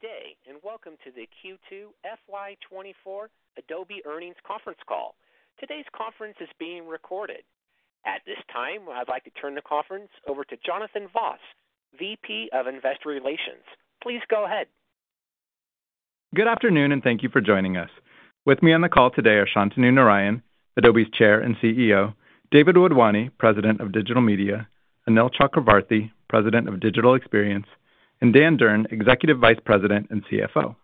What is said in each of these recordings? Good day, and welcome to the Q2 FY24 Adobe Earnings Conference Call. Today's conference is being recorded. At this time, I'd like to turn the conference over to Jonathan Vaas, VP of Investor Relations. Please go ahead. Good afternoon, and thank you for joining us. With me on the call today are Shantanu Narayen, Adobe's Chair and CEO, David Wadhwani, President of Digital Media, Anil Chakravarthy, President of Digital Experience, and Dan Durn, Executive Vice President and CFO.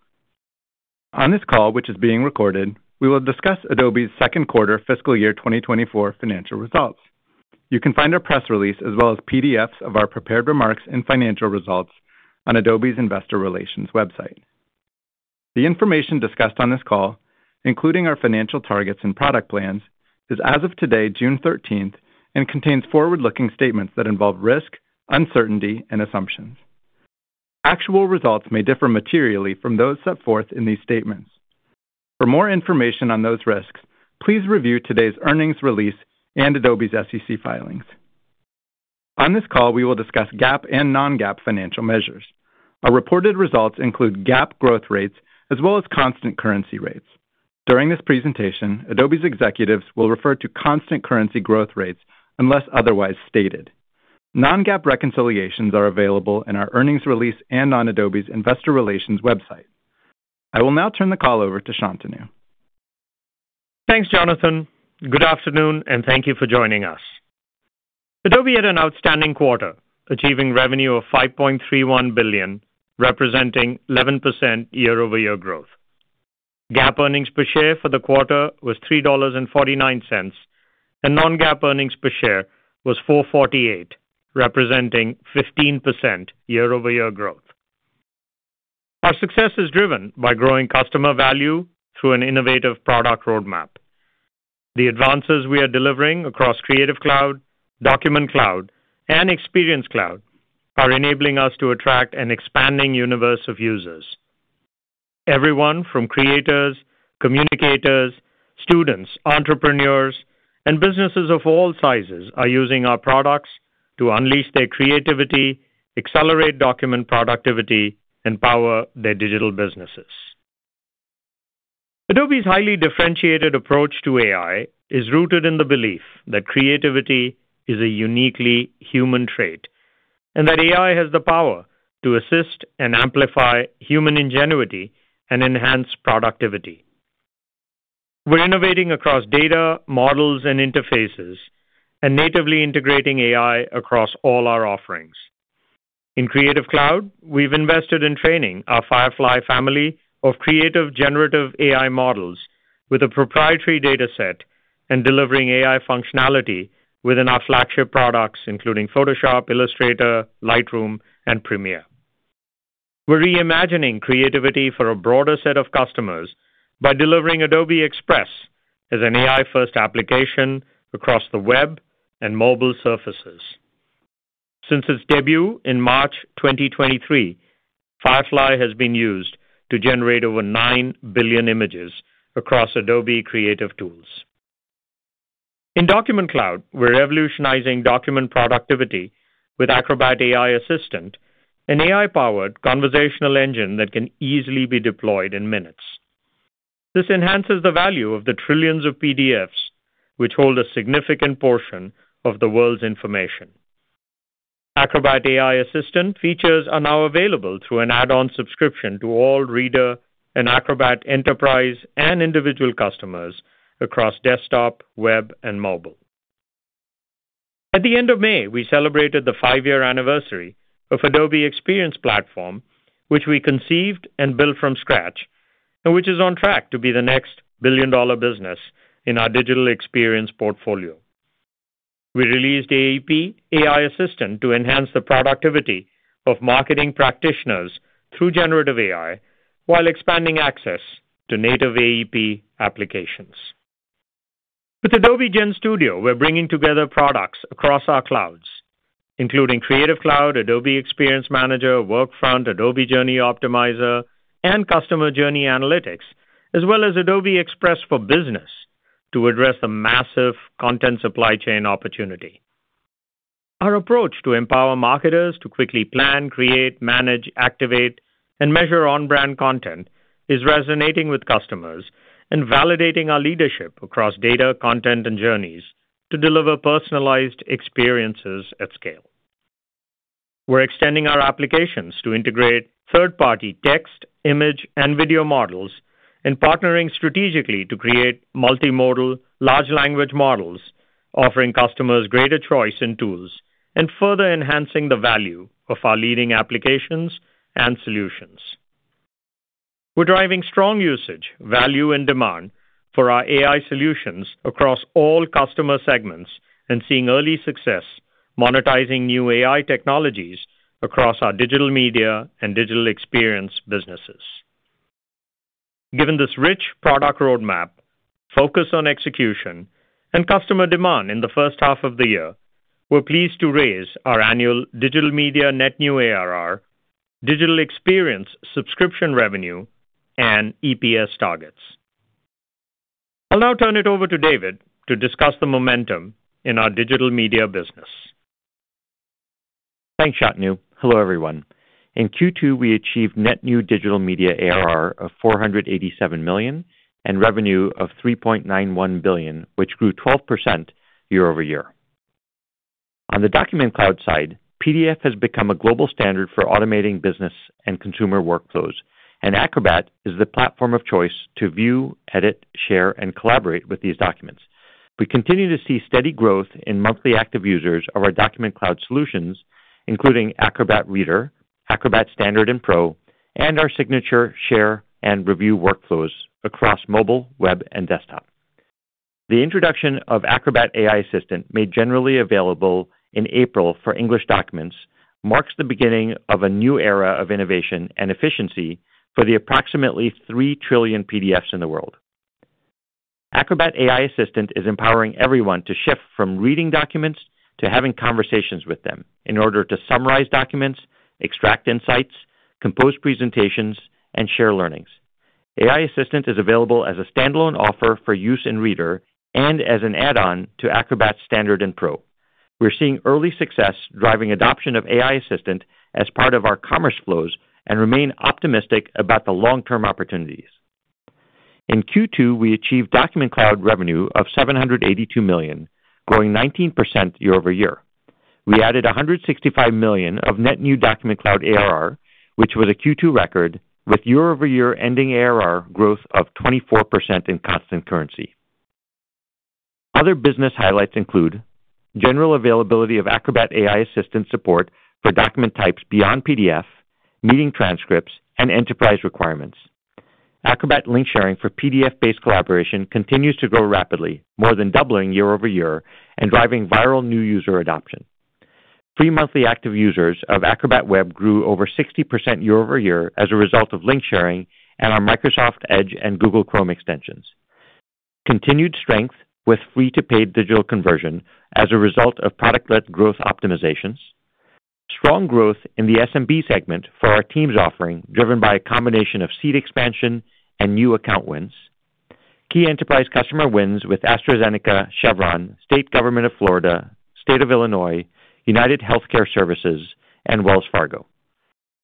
On this call, which is being recorded, we will discuss Adobe's second quarter fiscal year 2024 financial results. You can find our press release, as well as PDFs of our prepared remarks and financial results on Adobe's Investor Relations website. The information discussed on this call, including our financial targets and product plans, is as of today, June 13, and contains forward-looking statements that involve risk, uncertainty, and assumptions. Actual results may differ materially from those set forth in these statements. For more information on those risks, please review today's earnings release and Adobe's SEC filings. On this call, we will discuss GAAP and non-GAAP financial measures. Our reported results include GAAP growth rates as well as constant currency rates. During this presentation, Adobe's executives will refer to constant currency growth rates unless otherwise stated. Non-GAAP reconciliations are available in our earnings release and on Adobe's investor relations website. I will now turn the call over to Shantanu. Thanks, Jonathan. Good afternoon, and thank you for joining us. Adobe had an outstanding quarter, achieving revenue of $5.31 billion, representing 11% year-over-year growth. GAAP earnings per share for the quarter was $3.49, and non-GAAP earnings per share was $4.48, representing 15% year-over-year growth. Our success is driven by growing customer value through an innovative product roadmap. The advances we are delivering across Creative Cloud, Document Cloud, and Experience Cloud are enabling us to attract an expanding universe of users. Everyone from creators, communicators, students, entrepreneurs, and businesses of all sizes are using our products to unleash their creativity, accelerate document productivity, and power their digital businesses. Adobe's highly differentiated approach to AI is rooted in the belief that creativity is a uniquely human trait, and that AI has the power to assist and amplify human ingenuity and enhance productivity. We're innovating across data, models, and interfaces and natively integrating AI across all our offerings. In Creative Cloud, we've invested in training our Firefly family of creative generative AI models with a proprietary data set and delivering AI functionality within our flagship products, including Photoshop, Illustrator, Lightroom, and Premiere. We're reimagining creativity for a broader set of customers by delivering Adobe Express as an AI-first application across the web and mobile surfaces. Since its debut in March 2023, Firefly has been used to generate over 9 billion images across Adobe Creative tools. In Document Cloud, we're revolutionizing document productivity with Acrobat AI Assistant, an AI-powered conversational engine that can easily be deployed in minutes. This enhances the value of the trillions of PDFs, which hold a significant portion of the world's information. Acrobat AI Assistant features are now available through an add-on subscription to all Acrobat Reader and Acrobat Enterprise and individual customers across desktop, web, and mobile. At the end of May, we celebrated the five-year anniversary of Adobe Experience Platform, which we conceived and built from scratch, and which is on track to be the next billion-dollar business in our Digital Experience portfolio. We released AEP AI Assistant to enhance the productivity of marketing practitioners through generative AI, while expanding access to native AEP applications. With Adobe GenStudio, we're bringing together products across our clouds, including Creative Cloud, Adobe Experience Manager, Workfront, Adobe Journey Optimizer, and Customer Journey Analytics, as well as Adobe Express for Business, to address the massive content supply chain opportunity. Our approach to empower marketers to quickly plan, create, manage, activate, and measure on-brand content is resonating with customers and validating our leadership across data, content, and journeys to deliver personalized experiences at scale. We're extending our applications to integrate third-party text, image, and video models, and partnering strategically to create multimodal large language models, offering customers greater choice in tools and further enhancing the value of our leading applications and solutions. We're driving strong usage, value, and demand for our AI solutions across all customer segments and seeing early success monetizing new AI technologies across our Digital Media and Digital Experience businesses. Given this rich product roadmap, focus on execution, and customer demand in the first half of the year, we're pleased to raise our annual Digital Media net new ARR, Digital Experience, subscription revenue, and EPS targets.... I'll now turn it over to David to discuss the momentum in our Digital Media business. Thanks, Shantanu. Hello, everyone. In Q2, we achieved net new Digital Media ARR of $487 million, and revenue of $3.91 billion, which grew 12% year-over-year. On the Document Cloud side, PDF has become a global standard for automating business and consumer workflows, and Acrobat is the platform of choice to view, edit, share, and collaborate with these documents. We continue to see steady growth in monthly active users of our Document Cloud solutions, including Acrobat Reader, Acrobat Standard and Pro, and our signature, share, and review workflows across mobile, web, and desktop. The introduction of Acrobat AI Assistant, made generally available in April for English documents, marks the beginning of a new era of innovation and efficiency for the approximately 3 trillion PDFs in the world. Acrobat AI Assistant is empowering everyone to shift from reading documents to having conversations with them in order to summarize documents, extract insights, compose presentations, and share learnings. AI Assistant is available as a standalone offer for use in Reader and as an add-on to Acrobat Standard and Pro. We're seeing early success driving adoption of AI Assistant as part of our commerce flows, and remain optimistic about the long-term opportunities. In Q2, we achieved Document Cloud revenue of $782 million, growing 19% year-over-year. We added 165 million of net new Document Cloud ARR, which was a Q2 record, with year-over-year ending ARR growth of 24% in constant currency. Other business highlights include: general availability of Acrobat AI Assistant support for document types beyond PDF, meeting transcripts, and enterprise requirements. Acrobat link sharing for PDF-based collaboration continues to grow rapidly, more than doubling year-over-year and driving viral new user adoption. Free monthly active users of Acrobat Web grew over 60% year-over-year as a result of link sharing and our Microsoft Edge and Google Chrome extensions. Continued strength with free to paid digital conversion as a result of product-led growth optimizations. Strong growth in the SMB segment for our teams offering, driven by a combination of seat expansion and new account wins. Key enterprise customer wins with AstraZeneca, Chevron, State Government of Florida, State of Illinois, UnitedHealthcare Services, and Wells Fargo.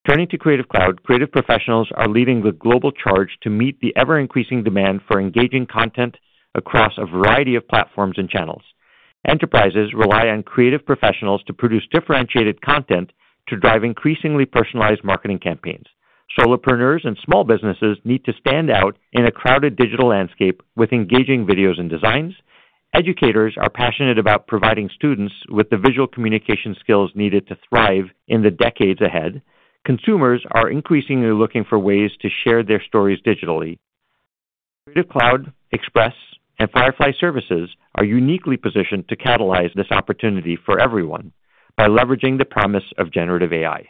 Turning to Creative Cloud, creative professionals are leading the global charge to meet the ever-increasing demand for engaging content across a variety of platforms and channels. Enterprises rely on creative professionals to produce differentiated content to drive increasingly personalized marketing campaigns. Solopreneurs and small businesses need to stand out in a crowded digital landscape with engaging videos and designs. Educators are passionate about providing students with the visual communication skills needed to thrive in the decades ahead. Consumers are increasingly looking for ways to share their stories digitally. Creative Cloud, Express, and Firefly Services are uniquely positioned to catalyze this opportunity for everyone by leveraging the promise of generative AI.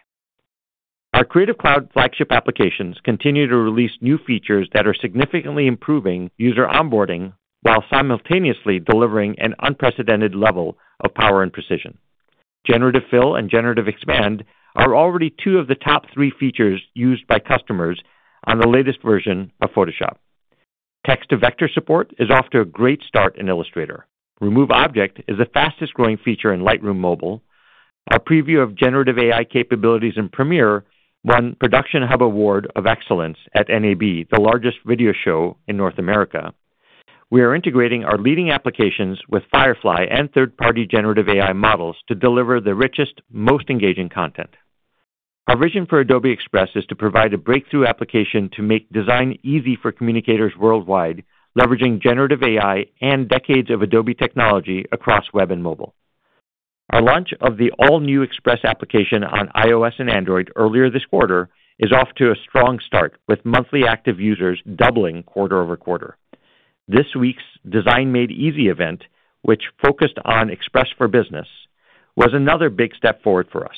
Our Creative Cloud flagship applications continue to release new features that are significantly improving user onboarding, while simultaneously delivering an unprecedented level of power and precision. Generative Fill and Generative Expand are already two of the top three features used by customers on the latest version of Photoshop. Text to Vector support is off to a great start in Illustrator. Remove Object is the fastest growing feature in Lightroom Mobile. Our preview of generative AI capabilities in Premiere won ProductionHUB Award of Excellence at NAB, the largest video show in North America. We are integrating our leading applications with Firefly and third-party generative AI models to deliver the richest, most engaging content. Our vision for Adobe Express is to provide a breakthrough application to make design easy for communicators worldwide, leveraging generative AI and decades of Adobe technology across web and mobile. Our launch of the all-new Express application on iOS and Android earlier this quarter is off to a strong start, with monthly active users doubling quarter over quarter. This week's Design Made Easy event, which focused on Express for Business, was another big step forward for us.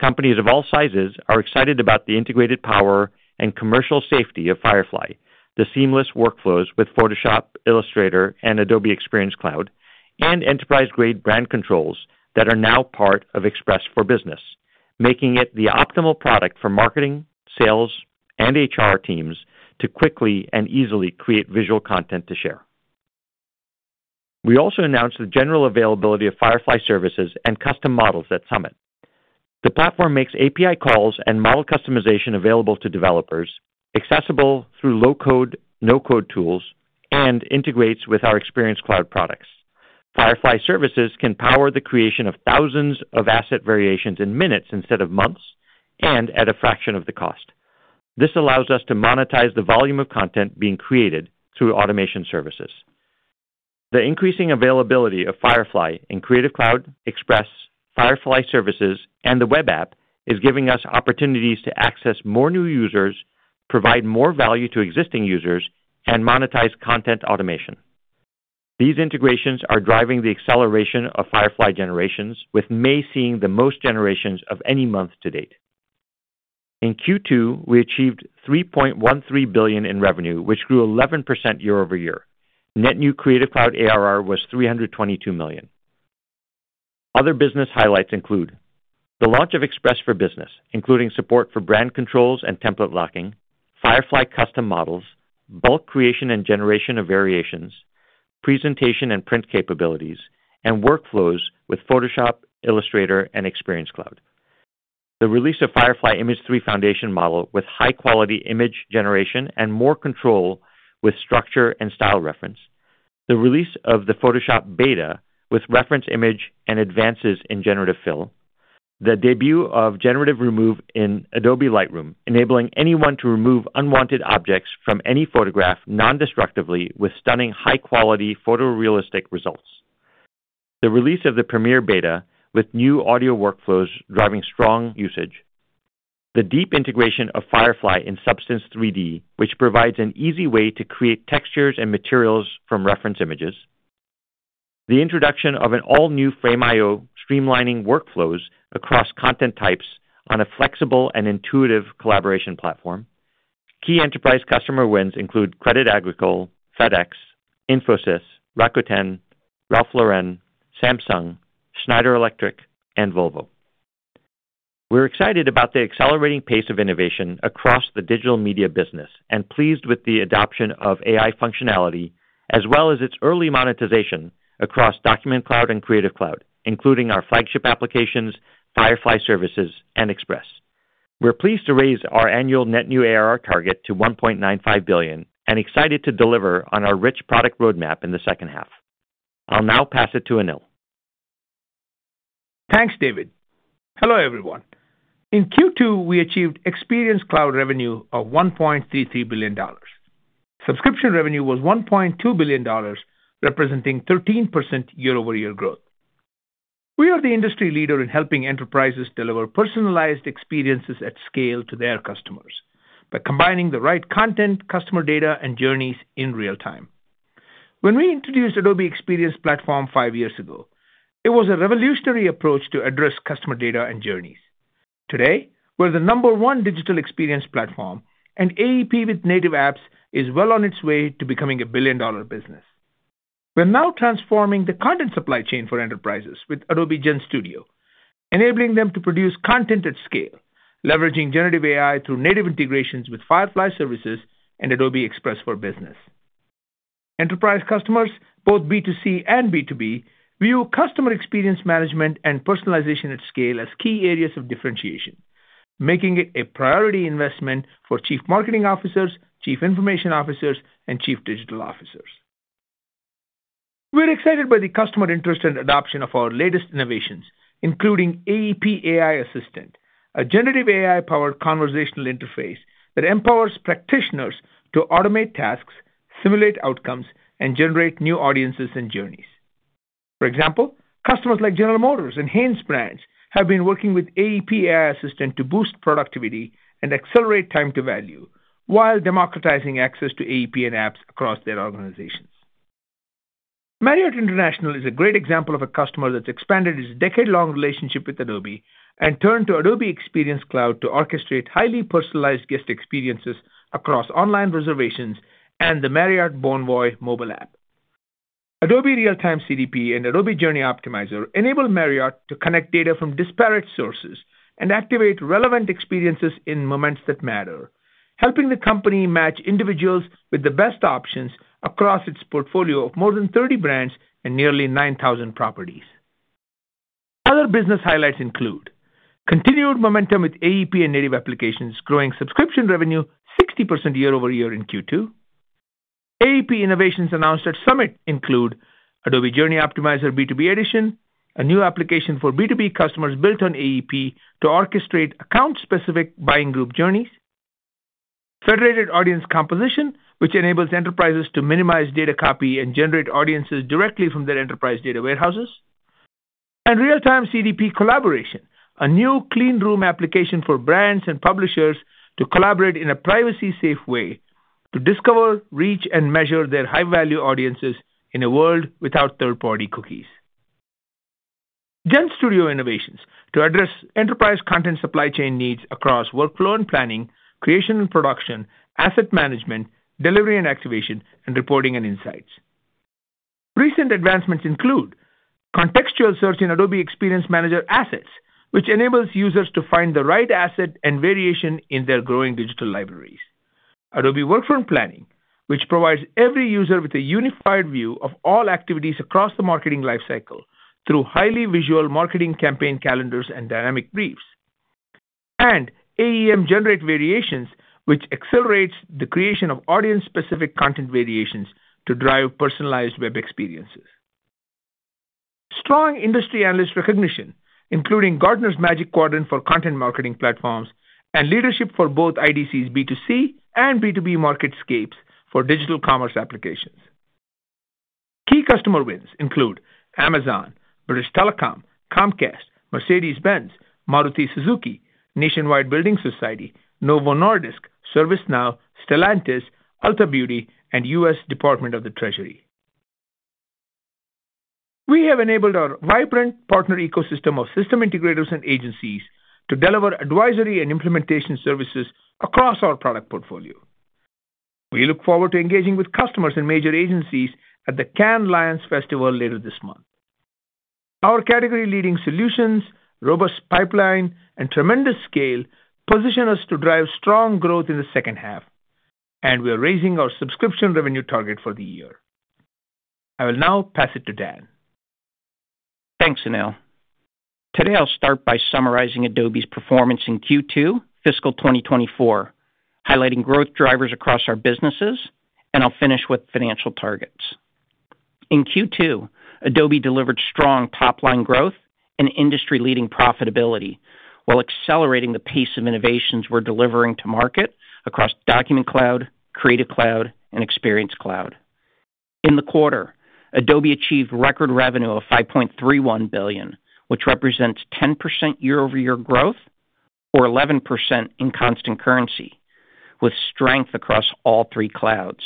Companies of all sizes are excited about the integrated power and commercial safety of Firefly, the seamless workflows with Photoshop, Illustrator, and Adobe Experience Cloud, and enterprise-grade brand controls that are now part of Express for Business, making it the optimal product for marketing, sales, and HR teams to quickly and easily create visual content to share. We also announced the general availability of Firefly Services and custom models at Summit. The platform makes API calls and model customization available to developers, accessible through low-code, no-code tools, and integrates with our Experience Cloud products. Firefly Services can power the creation of thousands of asset variations in minutes instead of months, and at a fraction of the cost. This allows us to monetize the volume of content being created through automation services. The increasing availability of Firefly in Creative Cloud, Express, Firefly Services, and the web app is giving us opportunities to access more new users, provide more value to existing users, and monetize content automation. These integrations are driving the acceleration of Firefly generations, with May seeing the most generations of any month to date. In Q2, we achieved $3.13 billion in revenue, which grew 11% year-over-year. Net new Creative Cloud ARR was $322 million. Other business highlights include: the launch of Express for Business, including support for brand controls and template locking, Firefly custom models, bulk creation and generation of variations, presentation and print capabilities, and workflows with Photoshop, Illustrator, and Experience Cloud. The release of Firefly Image 3 foundation model with high-quality image generation and more control with Structure Reference and Style Referencee. The release of the Photoshop beta with reference image and advances in generative fill. The debut of Generative Remove in Adobe Lightroom, enabling anyone to remove unwanted objects from any photograph non-destructively with stunning, high-quality photorealistic results. The release of the Premiere beta, with new audio workflows driving strong usage. The deep integration of Firefly in Substance 3D, which provides an easy way to create textures and materials from reference images. The introduction of an all-new Frame.io, streamlining workflows across content types on a flexible and intuitive collaboration platform. Key enterprise customer wins include Crédit Agricole, FedEx, Infosys, Rakuten, Ralph Lauren, Samsung, Schneider Electric, and Volvo. We're excited about the accelerating pace of innovation across the digital media business, and pleased with the adoption of AI functionality, as well as its early monetization across Document Cloud and Creative Cloud, including our flagship applications, Firefly Services, and Express. We're pleased to raise our annual net new ARR target to $1.95 billion, and excited to deliver on our rich product roadmap in the second half. I'll now pass it to Anil. Thanks, David. Hello, everyone. In Q2, we achieved Experience Cloud revenue of $1.33 billion. Subscription revenue was $1.2 billion, representing 13% year-over-year growth. We are the industry leader in helping enterprises deliver personalized experiences at scale to their customers, by combining the right content, customer data, and journeys in real time. When we introduced Adobe Experience Platform five years ago, it was a revolutionary approach to address customer data and journeys. Today, we're the number one Digital Experience platform, and AEP with native apps is well on its way to becoming a billion-dollar business. We're now transforming the content supply chain for enterprises with Adobe GenStudio, enabling them to produce content at scale, leveraging generative AI through native integrations with Firefly Services and Adobe Express for Business. Enterprise customers, both B2C and B2B, view customer experience management and personalization at scale as key areas of differentiation, making it a priority investment for chief marketing officers, chief information officers, and chief digital officers. We're excited by the customer interest and adoption of our latest innovations, including AEP AI Assistant, a generative AI-powered conversational interface that empowers practitioners to automate tasks, simulate outcomes, and generate new audiences and journeys. For example, customers like General Motors and HanesBrands have been working with AEP AI Assistant to boost productivity and accelerate time to value, while democratizing access to AEP and apps across their organizations. Marriott International is a great example of a customer that's expanded its decade-long relationship with Adobe and turned to Adobe Experience Cloud to orchestrate highly personalized guest experiences across online reservations and the Marriott Bonvoy mobile app. Adobe Real-Time CDP and Adobe Journey Optimizer enable Marriott to connect data from disparate sources and activate relevant experiences in moments that matter, helping the company match individuals with the best options across its portfolio of more than 30 brands and nearly 9,000 properties. Other business highlights include: continued momentum with AEP and native applications, growing subscription revenue 60% year-over-year in Q2. AEP innovations announced at Summit include Adobe Journey Optimizer B2B Edition, a new application for B2B customers built on AEP to orchestrate account-specific buying group journeys. Federated Audience Composition, which enables enterprises to minimize data copy and generate audiences directly from their enterprise data warehouses. And Real-Time CDP Collaboration, a new Clean Room application for brands and publishers to collaborate in a privacy-safe way, to discover, reach, and measure their high-value audiences in a world without third-party cookies. GenStudio innovations to address enterprise content supply chain needs across workflow and planning, creation and production, asset management, delivery and activation, and reporting and insights. Recent advancements include contextual search in Adobe Experience Manager Assets, which enables users to find the right asset and variation in their growing digital libraries. Adobe Workfront Planning, which provides every user with a unified view of all activities across the marketing lifecycle through highly visual marketing campaign calendars and dynamic briefs. AEM Generate Variations, which accelerates the creation of audience-specific content variations to drive personalized web experiences. Strong industry analyst recognition, including Gartner's Magic Quadrant for Content Marketing Platforms, and leadership for both IDC's B2C and B2B MarketScapes for Digital Commerce Applications. Key customer wins include Amazon, British Telecom, Comcast, Mercedes-Benz, Maruti Suzuki, Nationwide Building Society, Novo Nordisk, ServiceNow, Stellantis, Ulta Beauty, and US Department of the Treasury. We have enabled our vibrant partner ecosystem of system integrators and agencies to deliver advisory and implementation services across our product portfolio. We look forward to engaging with customers and major agencies at the Cannes Lions Festival later this month. Our category-leading solutions, robust pipeline, and tremendous scale position us to drive strong growth in the second half, and we are raising our subscription revenue target for the year. I will now pass it to Dan. Thanks, Anil. Today, I'll start by summarizing Adobe's performance in Q2 fiscal 2024, highlighting growth drivers across our businesses, and I'll finish with financial targets. In Q2, Adobe delivered strong top-line growth and industry-leading profitability, while accelerating the pace of innovations we're delivering to market across Document Cloud, Creative Cloud, and Experience Cloud. In the quarter, Adobe achieved record revenue of $5.31 billion, which represents 10% year-over-year growth, or 11% in constant currency, with strength across all three clouds.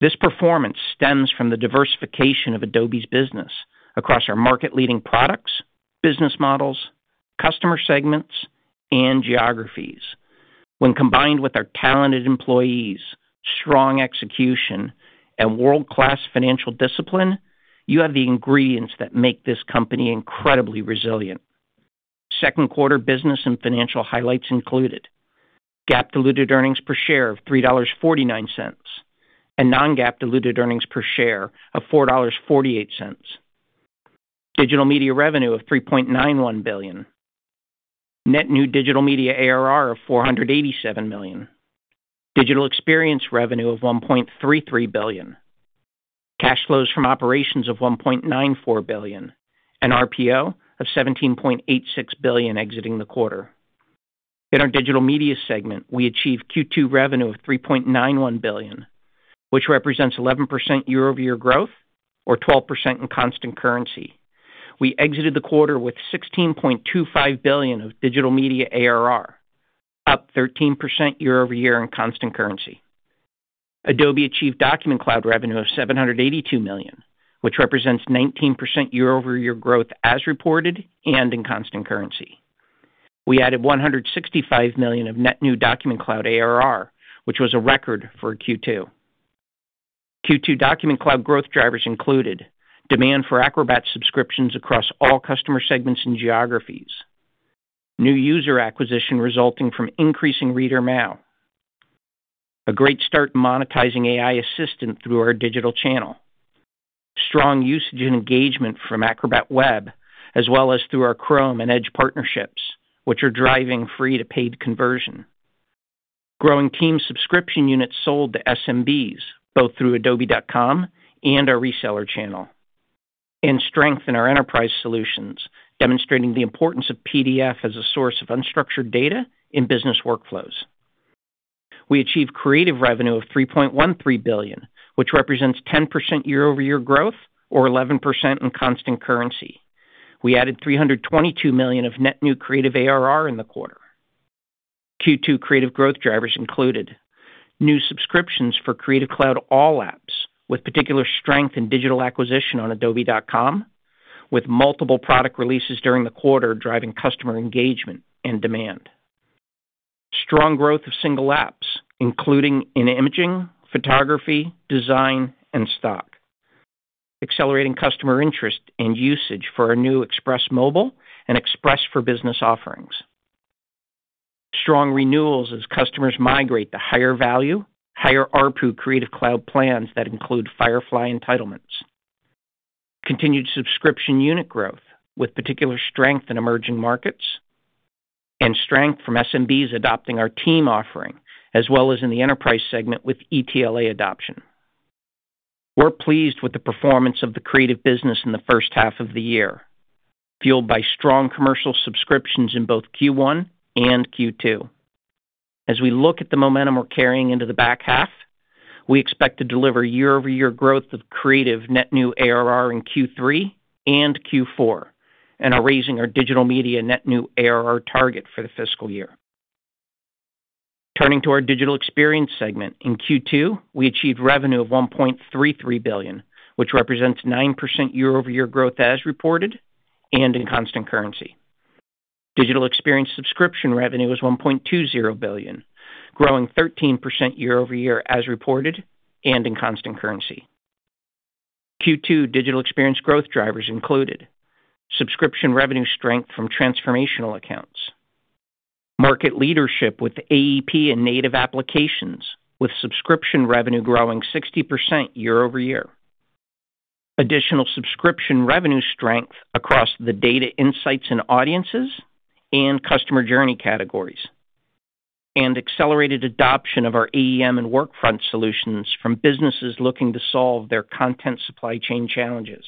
This performance stems from the diversification of Adobe's business across our market-leading products, business models, customer segments, and geographies. When combined with our talented employees, strong execution, and world-class financial discipline, you have the ingredients that make this company incredibly resilient. Second quarter business and financial highlights included GAAP diluted earnings per share of $3.49, and non-GAAP diluted earnings per share of $4.48. Digital Media revenue of $3.91 billion. Net new Digital Media ARR of $487 million. Digital Experience revenue of $1.33 billion. Cash flows from operations of $1.94 billion, and RPO of $17.86 billion exiting the quarter. In our Digital Media segment, we achieved Q2 revenue of $3.91 billion, which represents 11% year-over-year growth, or 12% in constant currency. We exited the quarter with $16.25 billion of Digital Media ARR, up 13% year-over-year in constant currency. Adobe achieved Document Cloud revenue of $782 million, which represents 19% year-over-year growth as reported and in constant currency. We added $165 million of net new Document Cloud ARR, which was a record for Q2. Q2 Document Cloud growth drivers included demand for Acrobat subscriptions across all customer segments and geographies, new user acquisition resulting from increasing Reader MAU, a great start in monetizing AI Assistant through our digital channel, strong usage and engagement from Acrobat Web, as well as through our Chrome and Edge partnerships, which are driving free to paid conversion. Growing team subscription units sold to SMBs, both through Adobe.com and our reseller channel, and strength in our enterprise solutions, demonstrating the importance of PDF as a source of unstructured data in business workflows. We achieved Creative revenue of $3.13 billion, which represents 10% year-over-year growth, or 11% in constant currency. We added $322 million of net new Creative ARR in the quarter. Q2 creative growth drivers included new subscriptions for Creative Cloud All Apps, with particular strength in digital acquisition on Adobe.com, with multiple product releases during the quarter, driving customer engagement and demand. Strong growth of single apps, including in imaging, photography, design, and stock. Accelerating customer interest and usage for our new Express Mobile and Express for Business offerings. Strong renewals as customers migrate to higher value, higher ARPU Creative Cloud plans that include Firefly entitlements. Continued subscription unit growth, with particular strength in emerging markets, and strength from SMBs adopting our team offering, as well as in the enterprise segment with ETLA adoption. We're pleased with the performance of the Creative business in the first half of the year, fueled by strong commercial subscriptions in both Q1 and Q2. As we look at the momentum we're carrying into the back half, we expect to deliver year-over-year growth of creative net new ARR in Q3 and Q4, and are raising our Digital Media net new ARR target for the fiscal year. Turning to our Digital Experience segment, in Q2, we achieved revenue of $1.33 billion, which represents 9% year-over-year growth as reported and in constant currency. Digital Experience subscription revenue was $1.20 billion, growing 13% year-over-year as reported and in constant currency. Q2 Digital Experience growth drivers included subscription revenue strength from transformational accounts, market leadership with AEP and native applications, with subscription revenue growing 60% year-over-year. Additional subscription revenue strength across the data insights and audiences and customer journey categories, and accelerated adoption of our AEM and Workfront solutions from businesses looking to solve their content supply chain challenges.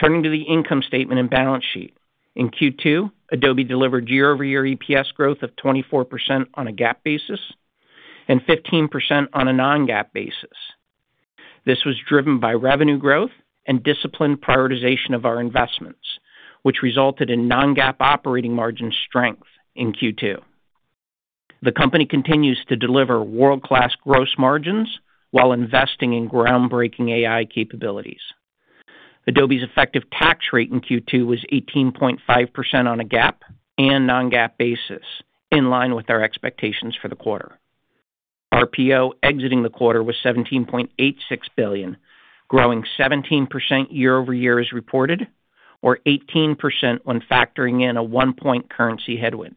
Turning to the income statement and balance sheet. In Q2, Adobe delivered year-over-year EPS growth of 24% on a GAAP basis and 15% on a non-GAAP basis. This was driven by revenue growth and disciplined prioritization of our investments, which resulted in non-GAAP operating margin strength in Q2. The company continues to deliver world-class gross margins while investing in groundbreaking AI capabilities.... Adobe's effective tax rate in Q2 was 18.5% on a GAAP and non-GAAP basis, in line with our expectations for the quarter. RPO exiting the quarter was $17.86 billion, growing 17% year over year as reported, or 18% when factoring in a 1-point currency headwind.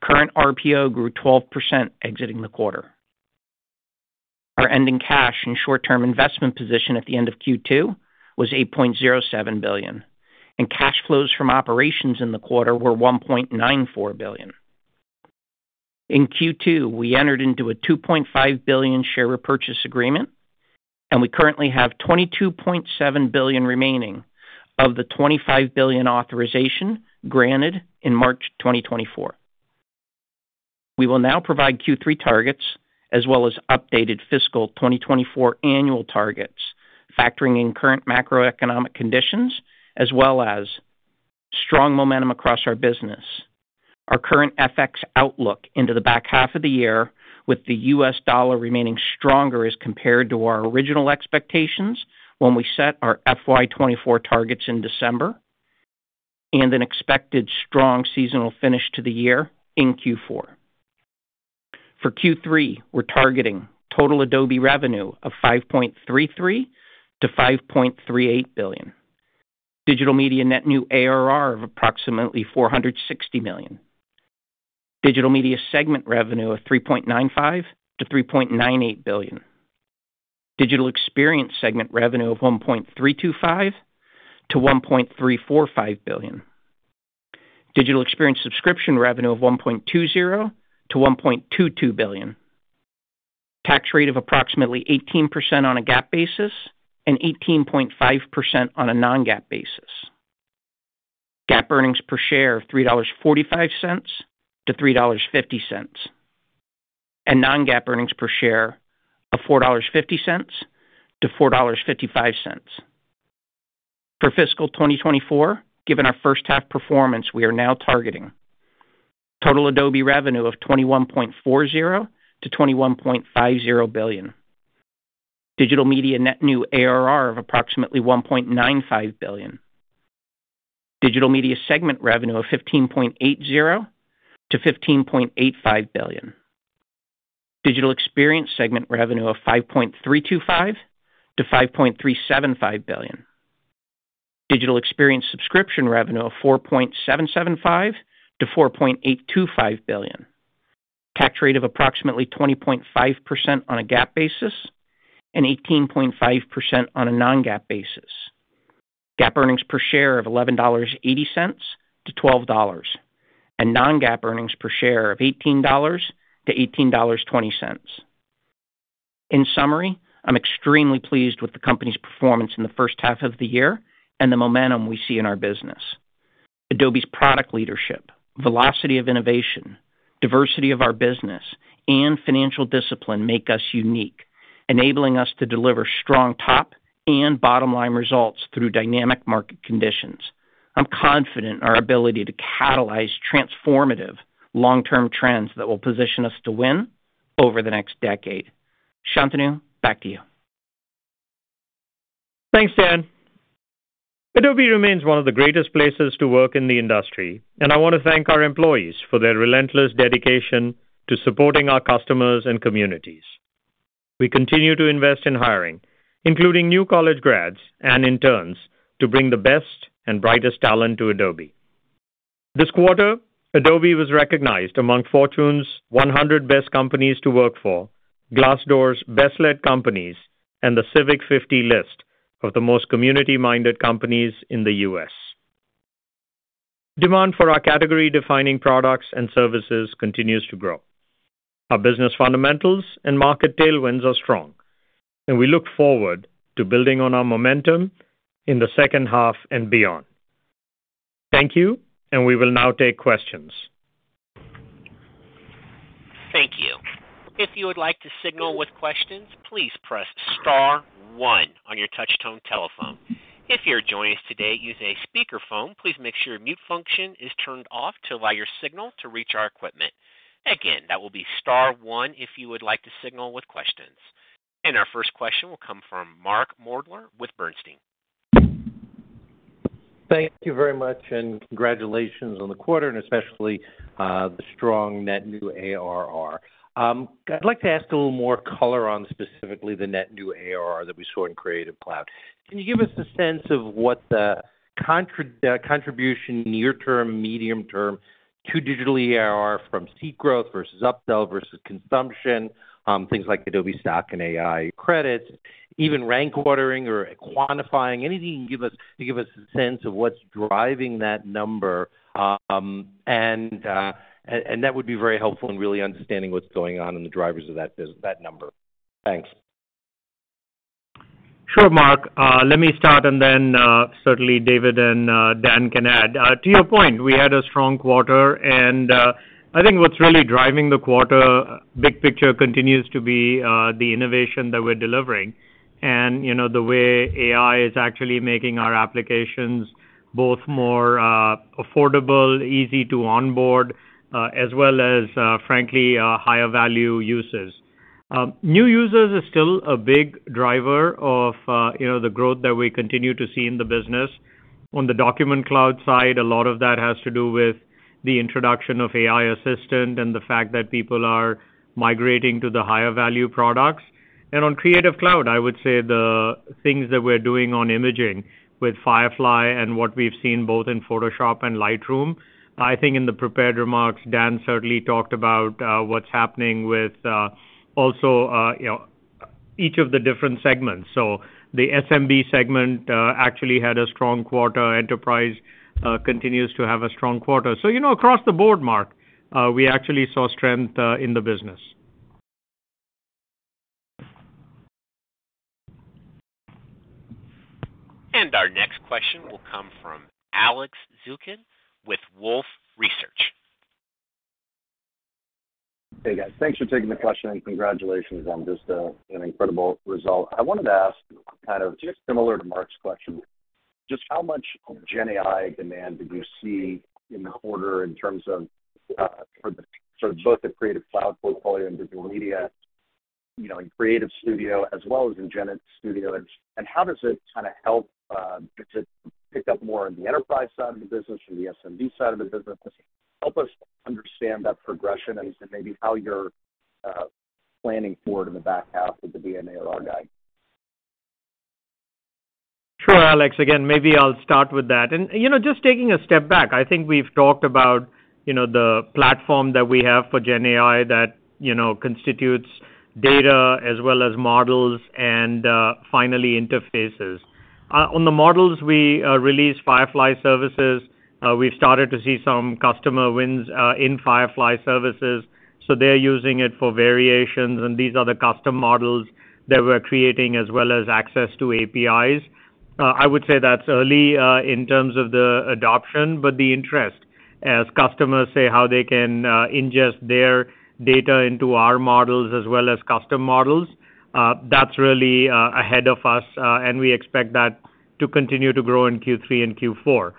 Current RPO grew 12% exiting the quarter. Our ending cash and short-term investment position at the end of Q2 was $8.07 billion, and cash flows from operations in the quarter were $1.94 billion. In Q2, we entered into a $2.5 billion share repurchase agreement, and we currently have $22.7 billion remaining of the $25 billion authorization granted in March 2024. We will now provide Q3 targets as well as updated fiscal 2024 annual targets, factoring in current macroeconomic conditions as well as strong momentum across our business. Our current FX outlook into the back half of the year, with the US dollar remaining stronger as compared to our original expectations when we set our FY 2024 targets in December, and an expected strong seasonal finish to the year in Q4. For Q3, we're targeting total Adobe revenue of $5.33 billion-$5.38 billion. Digital Media net new ARR of approximately $460 million. Digital Media segment revenue of $3.95 billion-$3.98 billion. Digital Experience segment revenue of $1.325 billion-$1.345 billion. Digital Experience subscription revenue of $1.20 billion-$1.22 billion. Tax rate of approximately 18% on a GAAP basis and 18.5% on a non-GAAP basis. GAAP earnings per share of $3.45-$3.50, and non-GAAP earnings per share of $4.50-$4.55. For fiscal 2024, given our first half performance, we are now targeting total Adobe revenue of $21.40 billion-$21.50 billion. Digital Media net new ARR of approximately $1.95 billion. Digital Media segment revenue of $15.80 billion-$15.85 billion. Digital Experience segment revenue of $5.325 billion-$5.375 billion. Digital Experience subscription revenue of $4.775 billion-$4.825 billion. Tax rate of approximately 20.5% on a GAAP basis and 18.5% on a non-GAAP basis. GAAP earnings per share of $11.80-$12, and non-GAAP earnings per share of $18-$18.20. In summary, I'm extremely pleased with the company's performance in the first half of the year and the momentum we see in our business. Adobe's product leadership, velocity of innovation, diversity of our business, and financial discipline make us unique, enabling us to deliver strong top and bottom-line results through dynamic market conditions. I'm confident in our ability to catalyze transformative long-term trends that will position us to win over the next decade. Shantanu, back to you. Thanks, Dan. Adobe remains one of the greatest places to work in the industry, and I want to thank our employees for their relentless dedication to supporting our customers and communities. We continue to invest in hiring, including new college grads and interns, to bring the best and brightest talent to Adobe. This quarter, Adobe was recognized among Fortune's 100 Best Companies to Work For, Glassdoor's Best-Led Companies, and the Civic 50 list of the most community-minded companies in the U.S. Demand for our category-defining products and services continues to grow. Our business fundamentals and market tailwinds are strong, and we look forward to building on our momentum in the second half and beyond. Thank you, and we will now take questions. Thank you. If you would like to signal with questions, please press star one on your touchtone telephone. If you're joining us today using a speakerphone, please make sure your mute function is turned off to allow your signal to reach our equipment. Again, that will be star one if you would like to signal with questions. Our first question will come from Mark Moerdler with Bernstein. Thank you very much, and congratulations on the quarter and especially the strong net new ARR. I'd like to ask a little more color on, specifically, the net new ARR that we saw in Creative Cloud. Can you give us a sense of what the contribution, near term, medium term to digital ARR from seat growth versus upsell versus consumption, things like Adobe Stock and AI credits, even rank ordering or quantifying, anything you can give us to give us a sense of what's driving that number? And that would be very helpful in really understanding what's going on in the drivers of that business, that number. Thanks. Sure, Mark. Let me start, and then, certainly David and Dan can add. To your point, we had a strong quarter, and I think what's really driving the quarter, big picture, continues to be the innovation that we're delivering. And, you know, the way AI is actually making our applications both more affordable, easy to onboard, as well as, frankly, higher value uses.... New users is still a big driver of, you know, the growth that we continue to see in the business. On the Document Cloud side, a lot of that has to do with the introduction of AI Assistant and the fact that people are migrating to the higher value products. On Creative Cloud, I would say the things that we're doing on imaging with Firefly and what we've seen both in Photoshop and Lightroom, I think in the prepared remarks, Dan certainly talked about what's happening with also, you know, each of the different segments. So the SMB segment actually had a strong quarter. Enterprise continues to have a strong quarter. So, you know, across the board, Mark, we actually saw strength in the business. Our next question will come from Alex Zukin with Wolfe Research. Hey, guys. Thanks for taking the question, and congratulations on just an incredible result. I wanted to ask kind of just similar to Mark's question, just how much GenAI demand did you see in the quarter in terms of for the sort of both the Creative Cloud portfolio and Digital Media, you know, in Creative Studio as well as in Generative Studio? And how does it kind of help to pick up more on the enterprise side of the business or the SMB side of the business? Help us understand that progression and maybe how you're planning forward in the back half with the DNA of our guide. Sure, Alex. Again, maybe I'll start with that. You know, just taking a step back, I think we've talked about, you know, the platform that we have for GenAI that, you know, constitutes data as well as models and, finally, interfaces. On the models, we released Firefly Services. We've started to see some customer wins in Firefly Services, so they're using it for variations, and these are the custom models that we're creating, as well as access to APIs. I would say that's early in terms of the adoption, but the interest, as customers say, how they can ingest their data into our models as well as custom models, that's really ahead of us, and we expect that to continue to grow in Q3 and Q4.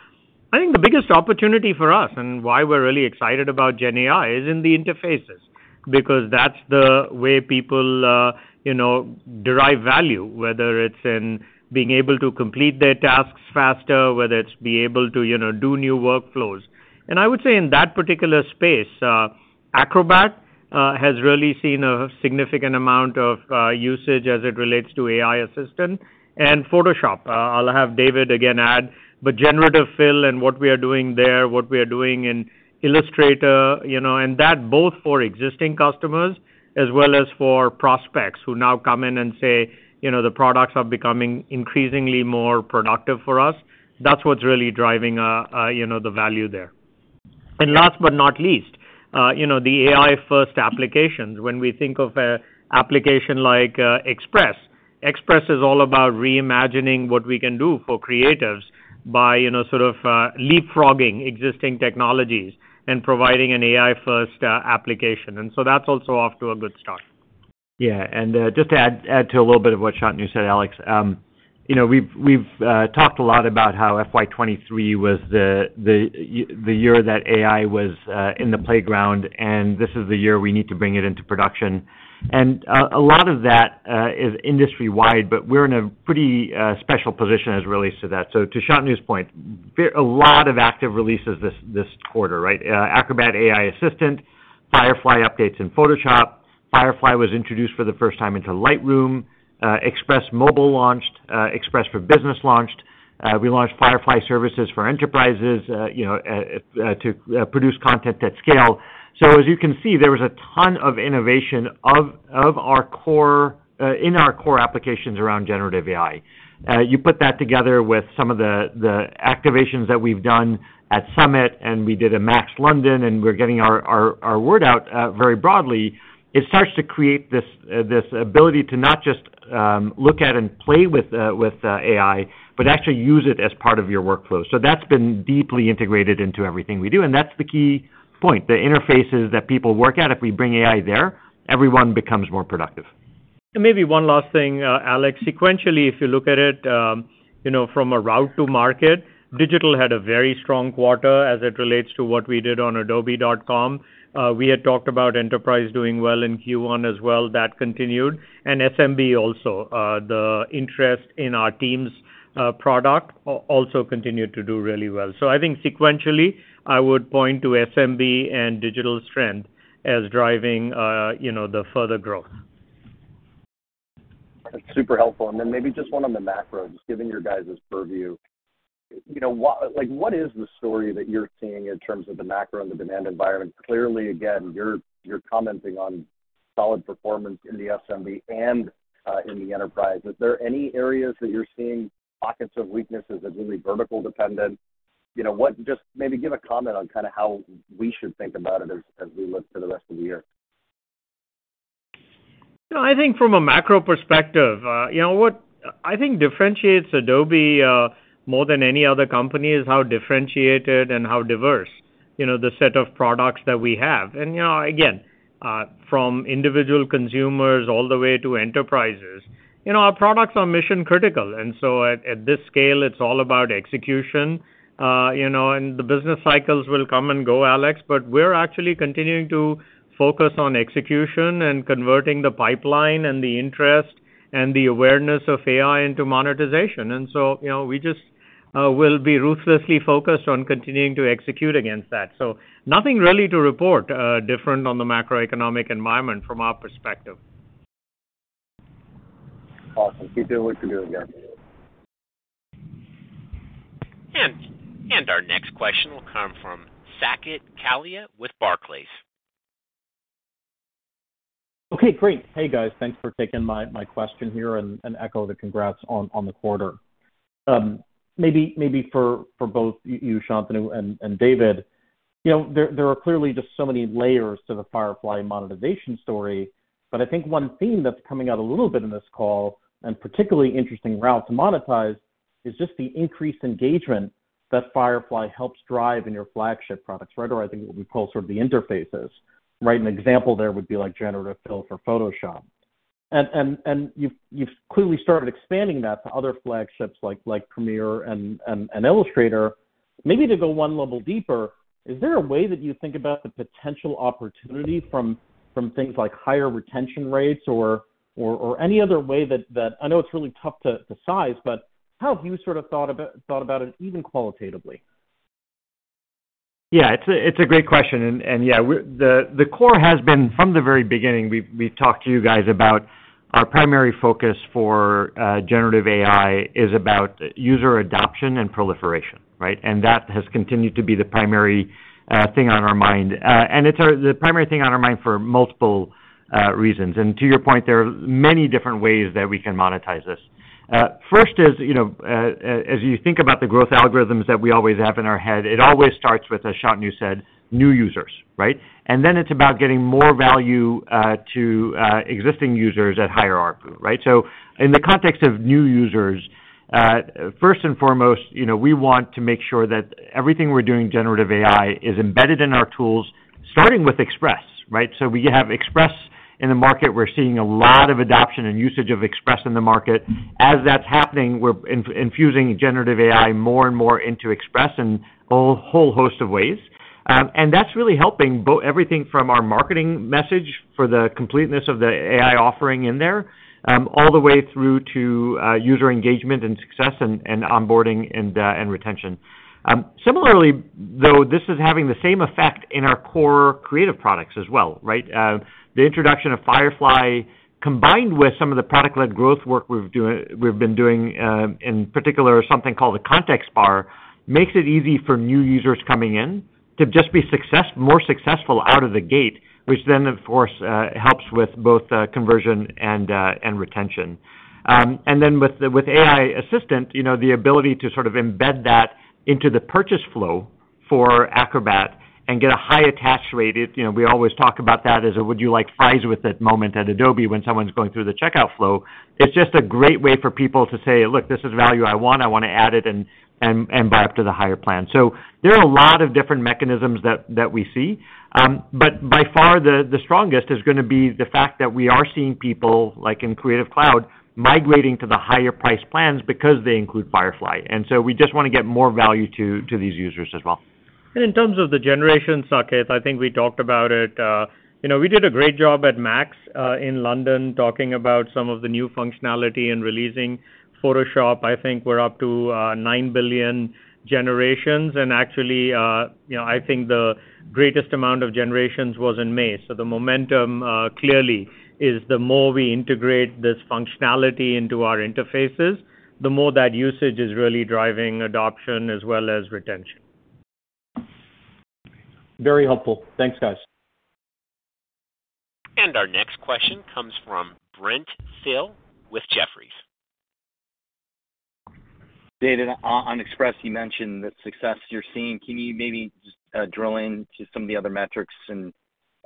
I think the biggest opportunity for us, and why we're really excited about GenAI, is in the interfaces, because that's the way people, you know, derive value, whether it's in being able to complete their tasks faster, whether it's being able to, you know, do new workflows. And I would say in that particular space, Acrobat has really seen a significant amount of usage as it relates to AI Assistant and Photoshop. I'll have David again add, but Generative Fill and what we are doing there, what we are doing in Illustrator, you know, and that both for existing customers as well as for prospects who now come in and say, "You know, the products are becoming increasingly more productive for us," that's what's really driving, you know, the value there. And last but not least, you know, the AI-first applications. When we think of a application like, Express, Express is all about reimagining what we can do for creatives by, you know, sort of, leapfrogging existing technologies and providing an AI-first, application. And so that's also off to a good start. Yeah, and just to add to a little bit of what Shantanu said, Alex, you know, we've talked a lot about how FY 2023 was the year that AI was in the playground, and this is the year we need to bring it into production. And a lot of that is industry-wide, but we're in a pretty special position as it relates to that. So to Shantanu's point, a lot of active releases this quarter, right? Acrobat AI Assistant, Firefly updates in Photoshop. Firefly was introduced for the first time into Lightroom, Express Mobile launched, Express for Business launched. We launched Firefly Services for enterprises, you know, to produce content at scale. So as you can see, there was a ton of innovation in our core applications around generative AI. You put that together with some of the activations that we've done at Summit, and we did a MAX London, and we're getting our word out very broadly. It starts to create this ability to not just look at and play with AI, but actually use it as part of your workflow. So that's been deeply integrated into everything we do, and that's the key point. The interfaces that people work at, if we bring AI there, everyone becomes more productive. Maybe one last thing, Alex. Sequentially, if you look at it, you know, from a route to market, Digital had a very strong quarter as it relates to what we did on Adobe.com. We had talked about Enterprise doing well in Q1 as well. That continued. And SMB also, the interest in our teams product also continued to do really well. So I think sequentially, I would point to SMB and Digital's strength as driving, you know, the further growth. That's super helpful. And then maybe just one on the macro, just given your guys's purview, you know, what... Like, what is the story that you're seeing in terms of the macro and the demand environment? Clearly, again, you're, you're commenting on solid performance in the SMB and in the enterprise. Is there any areas that you're seeing pockets of weaknesses that may be vertical dependent? You know, what, just maybe give a comment on kind of how we should think about it as, as we look to the rest of the year. You know, I think from a macro perspective, you know what I think differentiates Adobe more than any other company is how differentiated and how diverse, you know, the set of products that we have. And, you know, again, from individual consumers all the way to enterprises. You know, our products are mission critical, and so at this scale, it's all about execution. You know, and the business cycles will come and go, Alex, but we're actually continuing to focus on execution and converting the pipeline and the interest and the awareness of AI into monetization. And so, you know, we just will be ruthlessly focused on continuing to execute against that. So nothing really to report different on the macroeconomic environment from our perspective. Awesome. Keep doing what you're doing, guys. And our next question will come from Saket Kalia with Barclays. Okay, great. Hey, guys. Thanks for taking my question here, and echo the congrats on the quarter. Maybe for both you, Shantanu and David, you know, there are clearly just so many layers to the Firefly monetization story, but I think one theme that's coming out a little bit in this call, and particularly interesting route to monetize, is just the increased engagement that Firefly helps drive in your flagship products, right? Or I think it would be called sort of the interfaces, right? An example there would be like Generative Fill for Photoshop. And you've clearly started expanding that to other flagships like Premiere and Illustrator. Maybe to go one level deeper, is there a way that you think about the potential opportunity from things like higher retention rates or any other way that... I know it's really tough to size, but how have you sort of thought about it even qualitatively? Yeah, it's a great question. And yeah, the core has been, from the very beginning, we've talked to you guys about our primary focus for generative AI is about user adoption and proliferation, right? And that has continued to be the primary thing on our mind. And it's the primary thing on our mind for multiple reasons. And to your point, there are many different ways that we can monetize this. First is, you know, as you think about the growth algorithms that we always have in our head, it always starts with, as Shantanu said, new users, right? And then it's about getting more value to existing users at higher ARPU, right? So in the context of new users, first and foremost, you know, we want to make sure that everything we're doing in generative AI is embedded in our tools, starting with Express, right? So we have Express in the market. We're seeing a lot of adoption and usage of Express in the market. As that's happening, we're infusing generative AI more and more into Express in a whole host of ways. And that's really helping everything from our marketing message for the completeness of the AI offering in there, all the way through to user engagement and success and onboarding and retention. Similarly, though, this is having the same effect in our core creative products as well, right? The introduction of Firefly, combined with some of the product-led growth work we've been doing, in particular, something called the Context Bar, makes it easy for new users coming in to just be more successful out of the gate, which then, of course, helps with both conversion and retention. And then with the AI assistant, you know, the ability to sort of embed that into the purchase flow for Acrobat and get a high attach rate, you know, we always talk about that as a "would you like fries with it" moment at Adobe when someone's going through the checkout flow. It's just a great way for people to say, "Look, this is value I want. I want to add it, and buy up to the higher plan." So there are a lot of different mechanisms that we see. But by far, the strongest is gonna be the fact that we are seeing people, like in Creative Cloud, migrating to the higher priced plans because they include Firefly, and so we just want to get more value to these users as well. In terms of the generation, Saket, I think we talked about it, you know, we did a great job at Max, in London, talking about some of the new functionality and releasing Photoshop. I think we're up to 9 billion generations, and actually, you know, I think the greatest amount of generations was in May. So the momentum, clearly, is the more we integrate this functionality into our interfaces, the more that usage is really driving adoption as well as retention. Very helpful. Thanks, guys. Our next question comes from Brent Thill with Jefferies. David, on Express, you mentioned the success you're seeing. Can you maybe drill into some of the other metrics and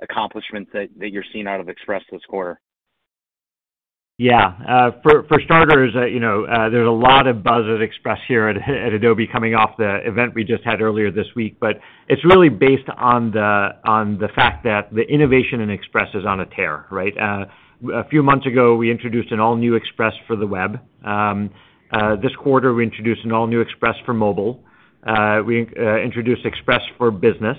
accomplishments that you're seeing out of Express this quarter? Yeah. For starters, you know, there's a lot of buzz at Express here at Adobe coming off the event we just had earlier this week, but it's really based on the fact that the innovation in Express is on a tear, right? A few months ago, we introduced an all-new Express for the web. This quarter, we introduced an all-new Express for mobile. We introduced Express for Business.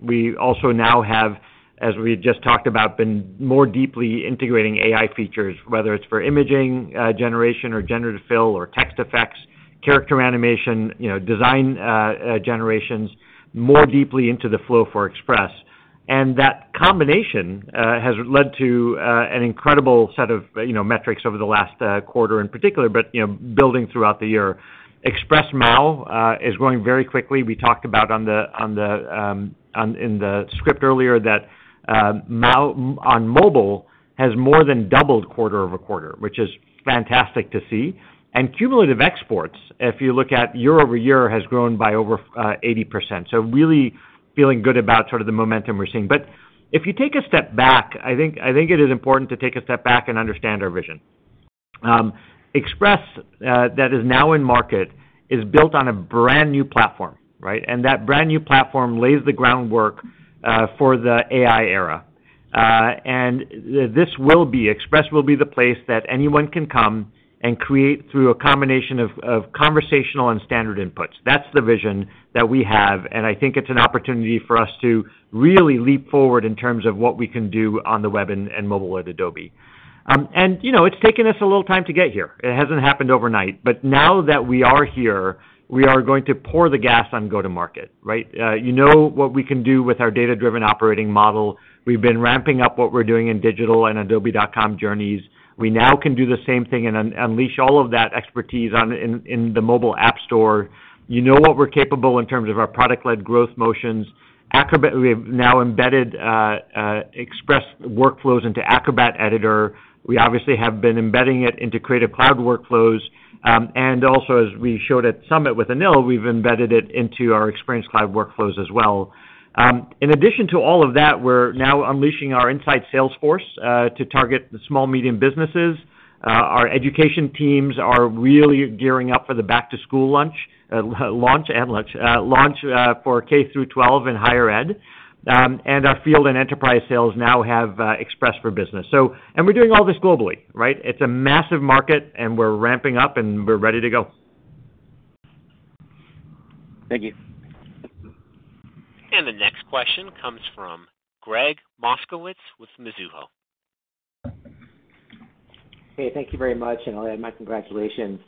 We also now have, as we just talked about, been more deeply integrating AI features, whether it's for imaging generation or Generative Fill or text effects, character animation, you know, design generations, more deeply into the flow for Express. That combination has led to an incredible set of, you know, metrics over the last quarter in particular, but, you know, building throughout the year. Express MAU is growing very quickly. We talked about on the, on the, in the script earlier, that MAU on mobile has more than doubled quarter-over-quarter, which is fantastic to see. And cumulative exports, if you look at year-over-year, has grown by over 80%. Really feeling good about sort of the momentum we're seeing. If you take a step back, I think, I think it is important to take a step back and understand our vision. Express, that is now in market, is built on a brand-new platform, right? That brand-new platform lays the groundwork for the AI era... And this will be, Express will be the place that anyone can come and create through a combination of conversational and standard inputs. That's the vision that we have, and I think it's an opportunity for us to really leap forward in terms of what we can do on the web and mobile at Adobe. You know, it's taken us a little time to get here. It hasn't happened overnight, but now that we are here, we are going to pour the gas on go-to-market, right? You know what we can do with our data-driven operating model. We've been ramping up what we're doing in digital and Adobe.com journeys. We now can do the same thing and unleash all of that expertise on, in the mobile app store. You know what we're capable in terms of our product-led growth motions. Acrobat, we have now embedded Express workflows into Acrobat Editor. We obviously have been embedding it into Creative Cloud workflows, and also, as we showed at Summit with Anil, we've embedded it into our Experience Cloud workflows as well. In addition to all of that, we're now unleashing our inside sales force to target the small medium businesses. Our education teams are really gearing up for the back to school launch for K through 12 and higher ed. And our field and enterprise sales now have Express for Business. And we're doing all this globally, right? It's a massive market, and we're ramping up, and we're ready to go. Thank you. The next question comes from Greg Moskowitz with Mizuho. Hey, thank you very much, and I'll add my congratulations.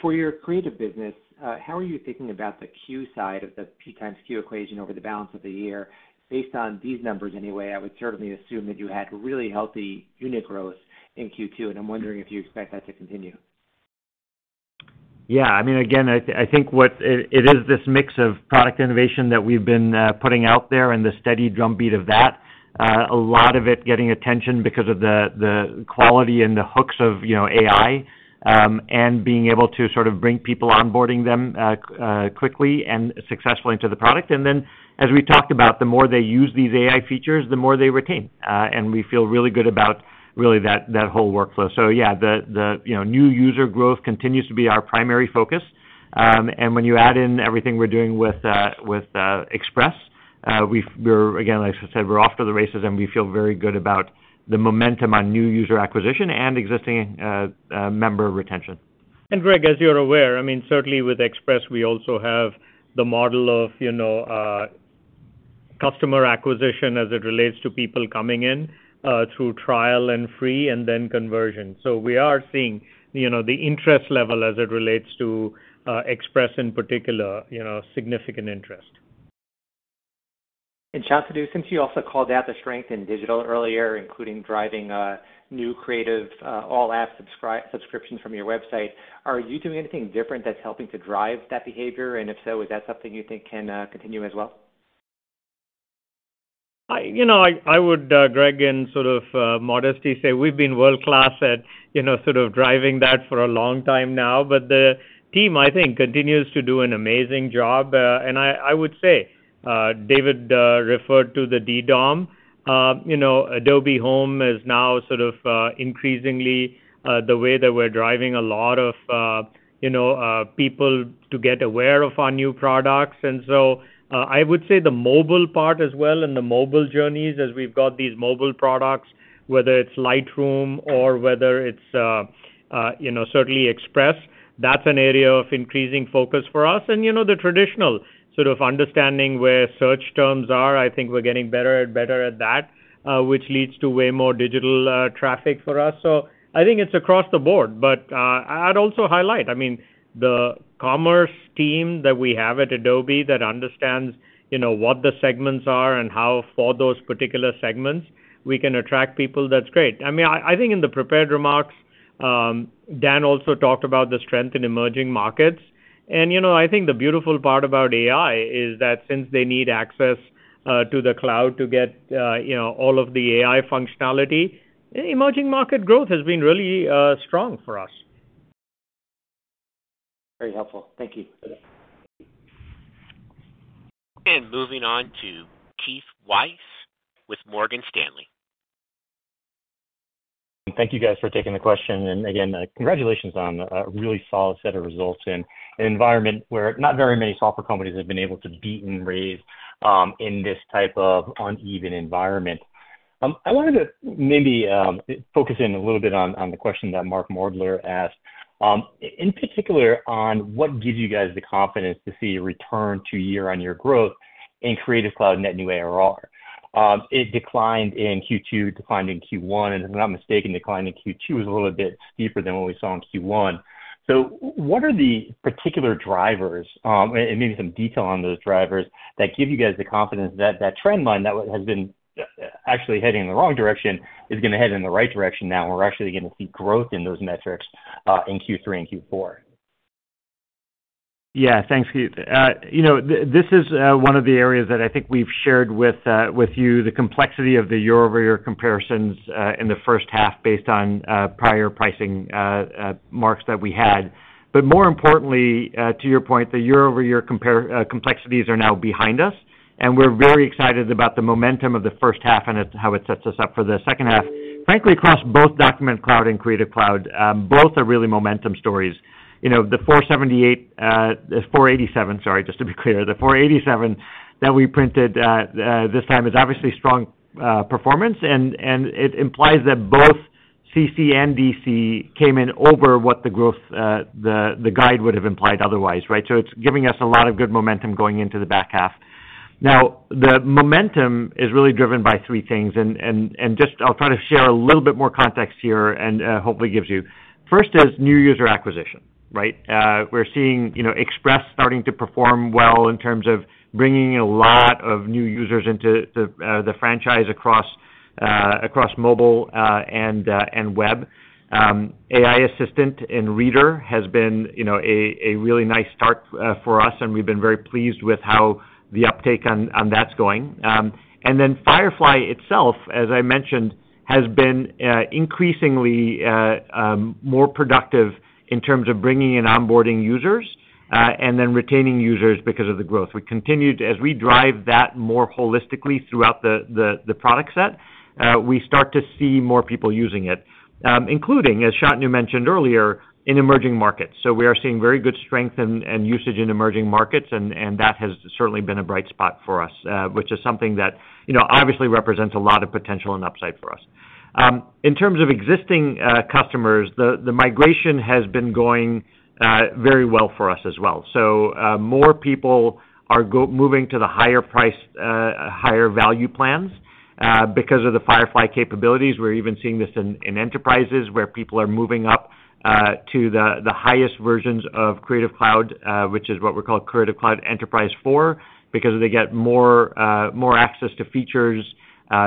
For your creative business, how are you thinking about the Q side of the P times Q equation over the balance of the year? Based on these numbers anyway, I would certainly assume that you had really healthy unit growth in Q2, and I'm wondering if you expect that to continue. Yeah, I mean, again, I think what it is this mix of product innovation that we've been putting out there and the steady drumbeat of that, a lot of it getting attention because of the quality and the hooks of, you know, AI, and being able to sort of bring people, onboarding them, quickly and successfully into the product. And then, as we've talked about, the more they use these AI features, the more they retain. And we feel really good about really that whole workflow. So yeah, the you know, new user growth continues to be our primary focus. When you add in everything we're doing with Express, we're again, like I said, we're off to the races, and we feel very good about the momentum on new user acquisition and existing member retention. And Greg, as you're aware, I mean, certainly with Express, we also have the model of, you know, customer acquisition as it relates to people coming in through trial and free and then conversion. So we are seeing, you know, the interest level as it relates to Express in particular, you know, significant interest. Shantanu, since you also called out the strength in digital earlier, including driving new Creative All Apps subscriptions from your website, are you doing anything different that's helping to drive that behavior? And if so, is that something you think can continue as well? You know, I would, Greg, in sort of modesty say we've been world-class at, you know, sort of driving that for a long time now. But the team, I think, continues to do an amazing job. And I would say, David, referred to the DDOM. You know, Adobe.com is now sort of increasingly the way that we're driving a lot of, you know, people to get aware of our new products. And so, I would say the mobile part as well and the mobile journeys as we've got these mobile products, whether it's Lightroom or whether it's, you know, certainly Express, that's an area of increasing focus for us. You know, the traditional sort of understanding where search terms are, I think we're getting better and better at that, which leads to way more digital traffic for us. So I think it's across the board. But I'd also highlight, I mean, the commerce team that we have at Adobe that understands, you know, what the segments are and how, for those particular segments, we can attract people, that's great. I mean, I think in the prepared remarks, Dan also talked about the strength in emerging markets. You know, I think the beautiful part about AI is that since they need access to the cloud to get, you know, all of the AI functionality, emerging market growth has been really strong for us. Very helpful. Thank you. Moving on to Keith Weiss with Morgan Stanley. Thank you guys for taking the question. And again, congratulations on a really solid set of results in an environment where not very many software companies have been able to beat and raise, in this type of uneven environment. I wanted to maybe focus in a little bit on the question that Mark Moerdler asked, in particular, on what gives you guys the confidence to see a return to year-on-year growth in Creative Cloud net new ARR? It declined in Q2, declined in Q1, and if I'm not mistaken, declined in Q2 was a little bit steeper than what we saw in Q1. So what are the particular drivers, and maybe some detail on those drivers, that give you guys the confidence that that trend line that has been actually heading in the wrong direction, is gonna head in the right direction now, and we're actually gonna see growth in those metrics, in Q3 and Q4? Yeah. Thanks, Keith. You know, this is one of the areas that I think we've shared with you, the complexity of the year-over-year comparisons in the first half based on prior pricing marks that we had. But more importantly, to your point, the year-over-year complexities are now behind us, and we're very excited about the momentum of the first half and how it sets us up for the second half.... Frankly, across both Document Cloud and Creative Cloud, both are really momentum stories. You know, the $478, the $487, sorry, just to be clear, the $487 that we printed this time is obviously strong performance, and it implies that both CC and DC came in over what the guide would have implied otherwise, right? So it's giving us a lot of good momentum going into the back half. Now, the momentum is really driven by three things, and just I'll try to share a little bit more context here and, hopefully gives you. First is new user acquisition, right? We're seeing, you know, Express starting to perform well in terms of bringing a lot of new users into the, the franchise across, across mobile, and, and web. AI Assistant in Reader has been, you know, a really nice start, for us, and we've been very pleased with how the uptake on, that's going. And then Firefly itself, as I mentioned, has been, increasingly, more productive in terms of bringing in onboarding users, and then retaining users because of the growth. We continue to as we drive that more holistically throughout the product set, we start to see more people using it, including, as Shantanu mentioned earlier, in emerging markets. So we are seeing very good strength and usage in emerging markets, and that has certainly been a bright spot for us, which is something that, you know, obviously represents a lot of potential and upside for us. In terms of existing customers, the migration has been going very well for us as well. So, more people are moving to the higher price, higher value plans, because of the Firefly capabilities. We're even seeing this in enterprises, where people are moving up to the highest versions of Creative Cloud, which is what we call Creative Cloud Enterprise 4, because they get more access to features,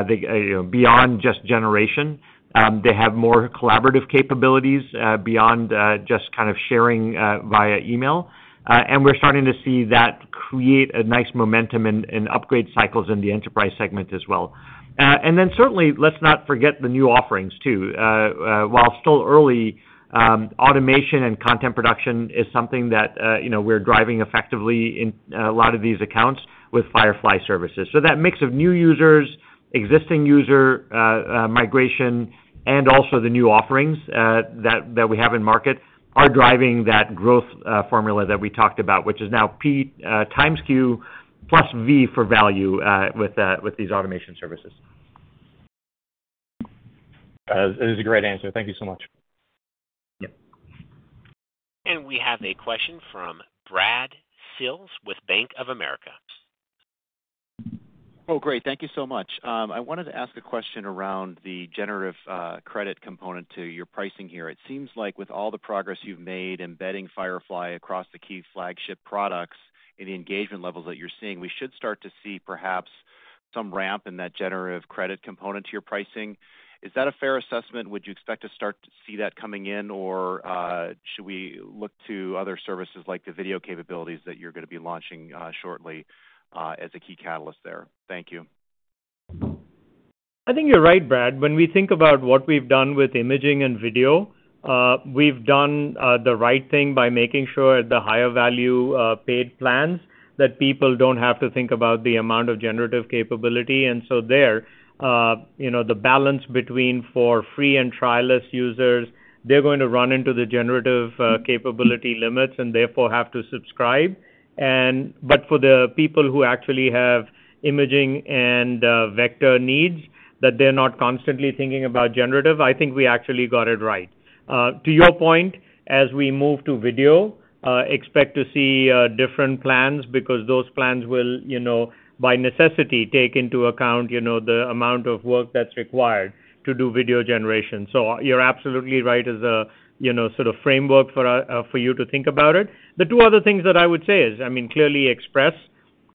they, you know, beyond just generation. They have more collaborative capabilities beyond just kind of sharing via email. And we're starting to see that create a nice momentum and upgrade cycles in the enterprise segment as well. And then certainly, let's not forget the new offerings, too. While still early, automation and content production is something that, you know, we're driving effectively in a lot of these accounts with Firefly Services. So that mix of new users, existing user, migration, and also the new offerings that we have in market are driving that growth formula that we talked about, which is now P times Q plus V for value with these automation services. It is a great answer. Thank you so much. Yeah. We have a question from Brad Sills with Bank of America. Oh, great. Thank you so much. I wanted to ask a question around the generative credit component to your pricing here. It seems like with all the progress you've made in embedding Firefly across the key flagship products and the engagement levels that you're seeing, we should start to see perhaps some ramp in that generative credit component to your pricing. Is that a fair assessment? Would you expect to start to see that coming in, or should we look to other services like the video capabilities that you're going to be launching shortly as a key catalyst there? Thank you. I think you're right, Brad. When we think about what we've done with imaging and video, we've done the right thing by making sure the higher value paid plans, that people don't have to think about the amount of generative capability. And so there, you know, the balance between for free and trialist users, they're going to run into the generative capability limits and therefore have to subscribe. And but for the people who actually have imaging and vector needs, that they're not constantly thinking about generative, I think we actually got it right. To your point, as we move to video, expect to see different plans because those plans will, you know, by necessity, take into account, you know, the amount of work that's required to do video generation. So you're absolutely right as a, you know, sort of framework for for you to think about it. The two other things that I would say is, I mean, clearly Express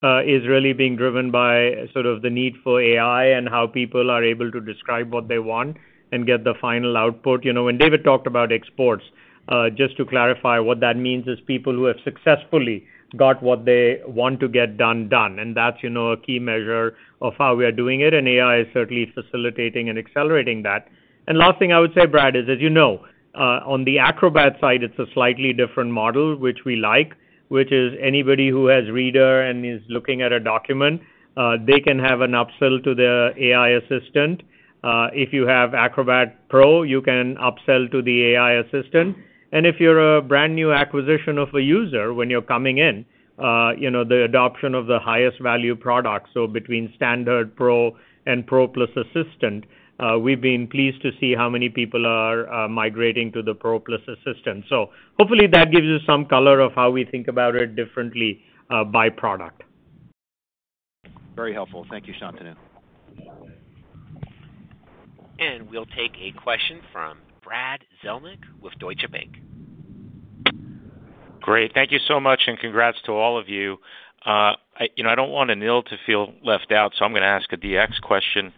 is really being driven by sort of the need for AI and how people are able to describe what they want and get the final output. You know, when David talked about exports, just to clarify, what that means is people who have successfully got what they want to get done, done. And that's, you know, a key measure of how we are doing it, and AI is certainly facilitating and accelerating that. And last thing I would say, Brad, is, as you know, on the Acrobat side, it's a slightly different model, which we like, which is anybody who has Reader and is looking at a document, they can have an upsell to their AI assistant. If you have Acrobat Pro, you can upsell to the AI assistant. And if you're a brand-new acquisition of a user, when you're coming in, you know, the adoption of the highest value product, so between Standard, Pro, and Pro Plus Assistant, we've been pleased to see how many people are migrating to the Pro Plus Assistant. So hopefully that gives you some color of how we think about it differently, by product. Very helpful. Thank you, Shantanu. We'll take a question from Brad Zelnick with Deutsche Bank. Great. Thank you so much, and congrats to all of you. You know, I don't want Anil to feel left out, so I'm going to ask a DX question.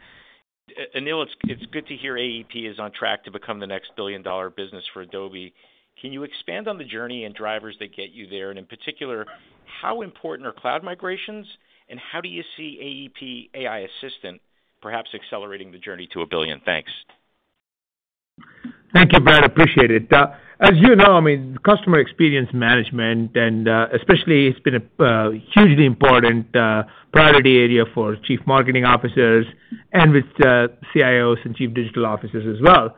Anil, it's good to hear AEP is on track to become the next billion-dollar business for Adobe. Can you expand on the journey and drivers that get you there? And in particular, how important are cloud migrations, and how do you see AEP AI Assistant perhaps accelerating the journey to a billion? Thanks.... Thank you, Brad. Appreciate it. As you know, I mean, customer experience management and, especially it's been a, hugely important, priority area for chief marketing officers and with, CIOs and chief digital officers as well.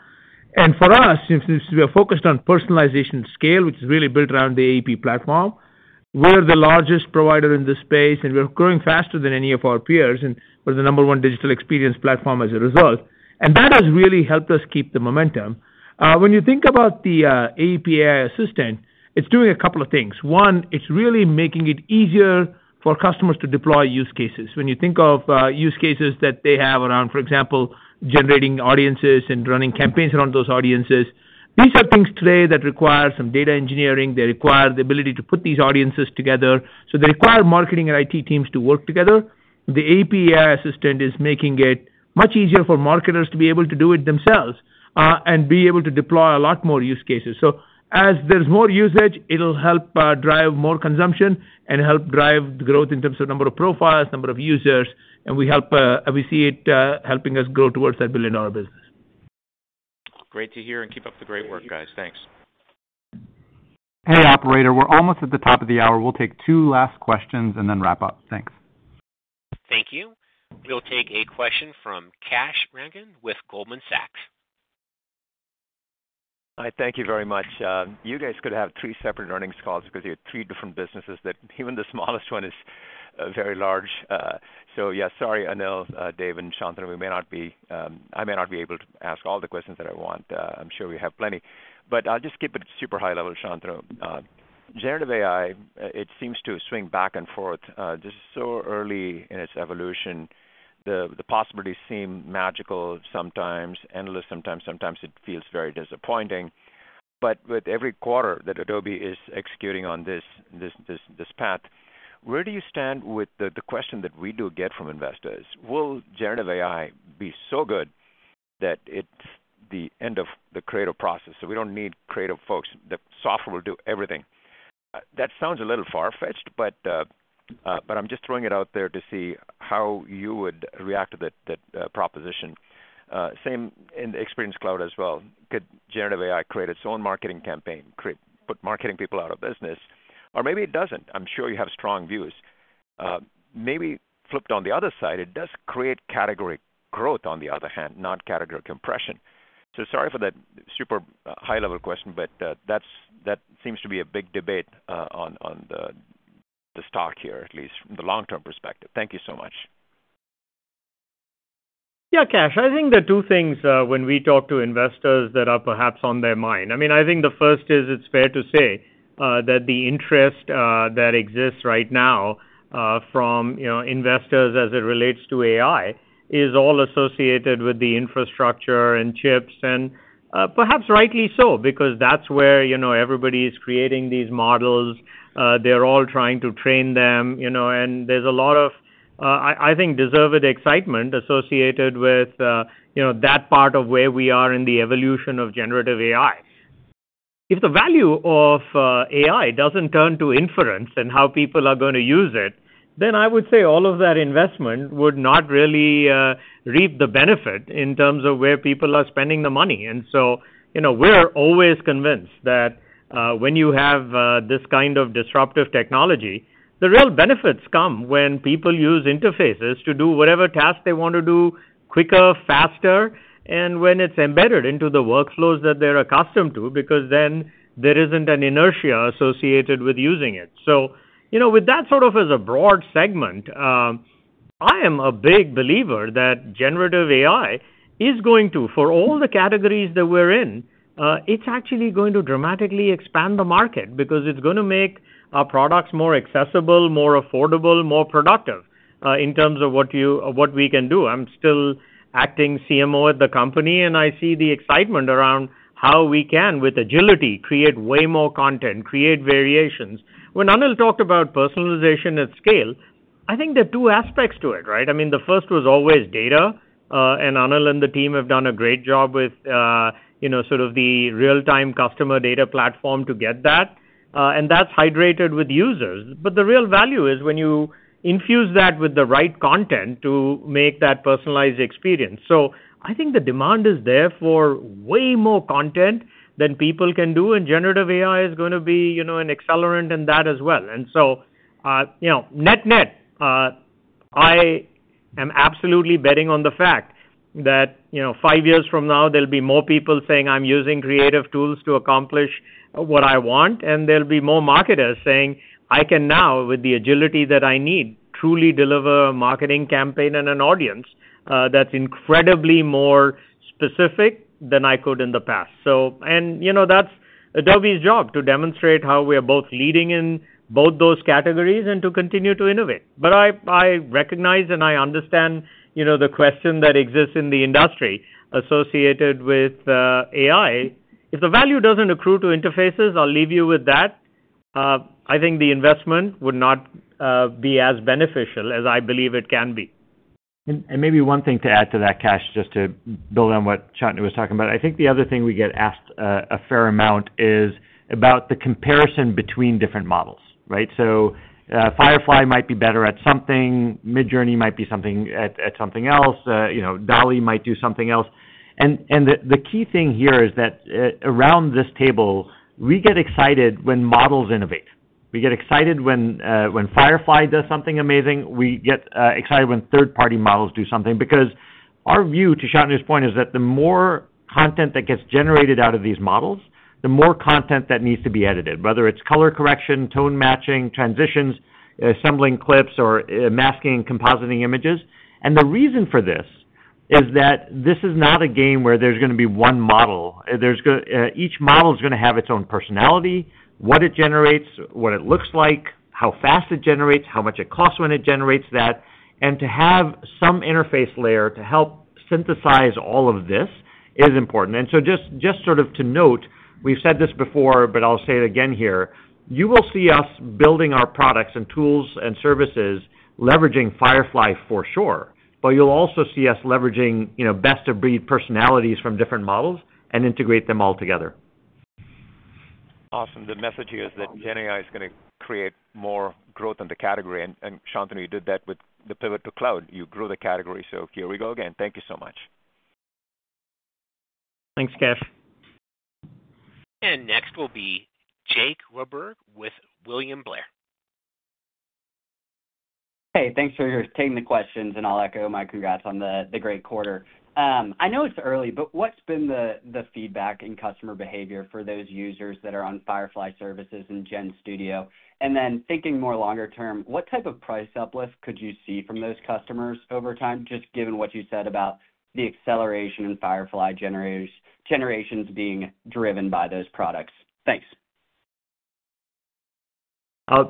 For us, since we are focused on personalization scale, which is really built around the AEP platform, we're the largest provider in this space, and we're growing faster than any of our peers, and we're the number one digital experience platform as a result. That has really helped us keep the momentum. When you think about the AEP AI Assistant, it's doing a couple of things. One, it's really making it easier for customers to deploy use cases. When you think of, use cases that they have around, for example, generating audiences and running campaigns around those audiences, these are things today that require some data engineering. They require the ability to put these audiences together, so they require marketing and IT teams to work together. The AEP AI Assistant is making it much easier for marketers to be able to do it themselves, and be able to deploy a lot more use cases. So as there's more usage, it'll help, drive more consumption and help drive growth in terms of number of profiles, number of users, and we help, we see it, helping us grow towards that billion-dollar business. Great to hear, and keep up the great work, guys. Thanks. Hey, operator, we're almost at the top of the hour. We'll take two last questions and then wrap up. Thanks. Thank you. We'll take a question from Kash Rangan with Goldman Sachs. Hi, thank you very much. You guys could have three separate earnings calls because you have three different businesses that even the smallest one is very large. So, yeah, sorry, Anil, Dave, and Shantanu, we may not be, I may not be able to ask all the questions that I want. I'm sure we have plenty. But I'll just keep it super high level, Shantanu. Generative AI, it seems to swing back and forth. This is so early in its evolution, the possibilities seem magical, sometimes endless, sometimes it feels very disappointing. But with every quarter that Adobe is executing on this path, where do you stand with the question that we do get from investors? Will generative AI be so good that it's the end of the creative process, so we don't need creative folks, the software will do everything? That sounds a little far-fetched, but I'm just throwing it out there to see how you would react to that proposition. Same in the Experience Cloud as well. Could generative AI create its own marketing campaign, put marketing people out of business? Or maybe it doesn't. I'm sure you have strong views. Maybe flipped on the other side, it does create category growth, on the other hand, not category compression. So sorry for that super high-level question, but, that's that seems to be a big debate on the stock here, at least from the long-term perspective. Thank you so much. Yeah, Kash. I think there are two things when we talk to investors that are perhaps on their mind. I mean, I think the first is, it's fair to say that the interest that exists right now from, you know, investors as it relates to AI, is all associated with the infrastructure and chips, and perhaps rightly so, because that's where, you know, everybody is creating these models. They're all trying to train them, you know, and there's a lot of, I think, deserved excitement associated with, you know, that part of where we are in the evolution of generative AI. If the value of AI doesn't turn to inference and how people are going to use it, then I would say all of that investment would not really reap the benefit in terms of where people are spending the money. And so, you know, we're always convinced that when you have this kind of disruptive technology, the real benefits come when people use interfaces to do whatever task they want to do quicker, faster, and when it's embedded into the workflows that they're accustomed to, because then there isn't an inertia associated with using it. So, you know, with that sort of as a broad segment, I am a big believer that generative AI is going to, for all the categories that we're in, it's actually going to dramatically expand the market because it's gonna make our products more accessible, more affordable, more productive, in terms of what we can do. I'm still acting CMO at the company, and I see the excitement around how we can, with agility, create way more content, create variations. When Anil talked about personalization at scale, I think there are two aspects to it, right? I mean, the first was always data, and Anil and the team have done a great job with, you know, sort of the Real-Time Customer Data Platform to get that, and that's hydrated with users. But the real value is when you infuse that with the right content to make that personalized experience. So I think the demand is there for way more content than people can do, and generative AI is gonna be, you know, an accelerant in that as well. And so, you know, net-net, I am absolutely betting on the fact that, you know, five years from now, there'll be more people saying, "I'm using creative tools to accomplish what I want," and there'll be more marketers saying, "I can now, with the agility that I need, truly deliver a marketing campaign and an audience, that's incredibly more specific than I could in the past." So... and, you know, that's Adobe's job, to demonstrate how we are both leading in both those categories and to continue to innovate. But I recognize and I understand, you know, the question that exists in the industry associated with AI. If the value doesn't accrue to interfaces, I'll leave you with that, I think the investment would not be as beneficial as I believe it can be. Maybe one thing to add to that, Kash, just to build on what Shantanu was talking about. I think the other thing we get asked a fair amount is about the comparison between different models, right? So, Firefly might be better at something, Midjourney might be something at something else, you know, DALL-E might do something else. And the key thing here is that around this table, we get excited when models innovate. We get excited when Firefly does something amazing. We get excited when third-party models do something, because our view, to Shantanu's point, is that the more content that gets generated out of these models, the more content that needs to be edited, whether it's color correction, tone matching, transitions, assembling clips, or masking and compositing images. And the reason for this is that this is not a game where there's gonna be one model. There's, each model is gonna have its own personality, what it generates, what it looks like, how fast it generates, how much it costs when it generates that. And to have some interface layer to help synthesize all of this is important. And so just, just sort of to note, we've said this before, but I'll say it again here, you will see us building our products and tools and services, leveraging Firefly for sure, but you'll also see us leveraging, you know, best-of-breed personalities from different models and integrate them all together. Awesome. The message here is that GenAI is gonna create more growth in the category, and Shantanu, you did that with the pivot to cloud. You grew the category, so here we go again. Thank you so much. Thanks, Kash. Next will be Jake Roberge with William Blair. Hey, thanks for taking the questions, and I'll echo my congrats on the great quarter. I know it's early, but what's been the feedback and customer behavior for those users that are on Firefly Services and GenStudio? And then thinking more longer term, what type of price uplift could you see from those customers over time, just given what you said about the acceleration in Firefly generations, generations being driven by those products? Thanks.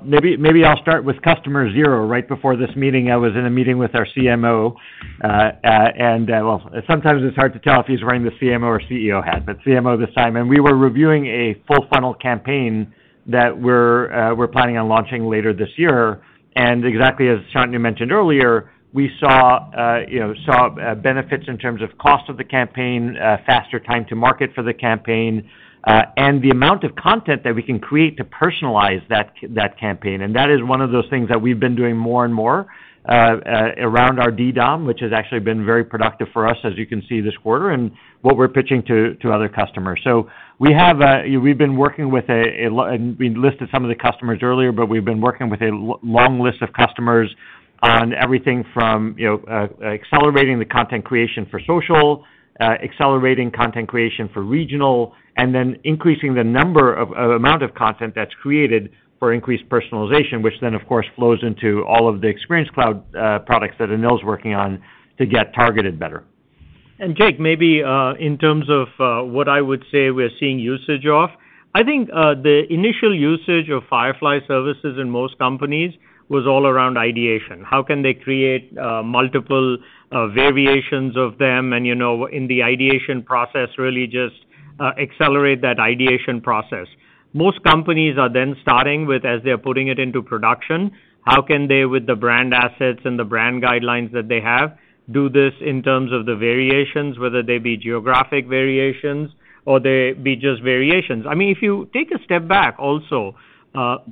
Maybe I'll start with Customer Zero. Right before this meeting, I was in a meeting with our CMO, and well, sometimes it's hard to tell if he's wearing the CMO or CEO hat, but CMO this time. We were reviewing a full funnel campaign that we're planning on launching later this year. Exactly as Shantanu mentioned earlier, we saw, you know, benefits in terms of cost of the campaign, faster time to market for the campaign, and the amount of content that we can create to personalize that campaign. That is one of those things that we've been doing more and more around our DDOM, which has actually been very productive for us, as you can see this quarter, and what we're pitching to other customers. So we have, we've been working with a long list of customers on everything from, you know, accelerating the content creation for social, accelerating content creation for regional, and then increasing the number of amount of content that's created for increased personalization, which then, of course, flows into all of the Experience Cloud products that Anil's working on to get targeted better. And Jake, maybe, in terms of, what I would say we're seeing usage of, I think, the initial usage of Firefly Services in most companies was all around ideation. How can they create, multiple, variations of them and, you know, in the ideation process, really just, accelerate that ideation process? Most companies are then starting with, as they're putting it into production, how can they, with the brand assets and the brand guidelines that they have, do this in terms of the variations, whether they be geographic variations or they be just variations. I mean, if you take a step back also,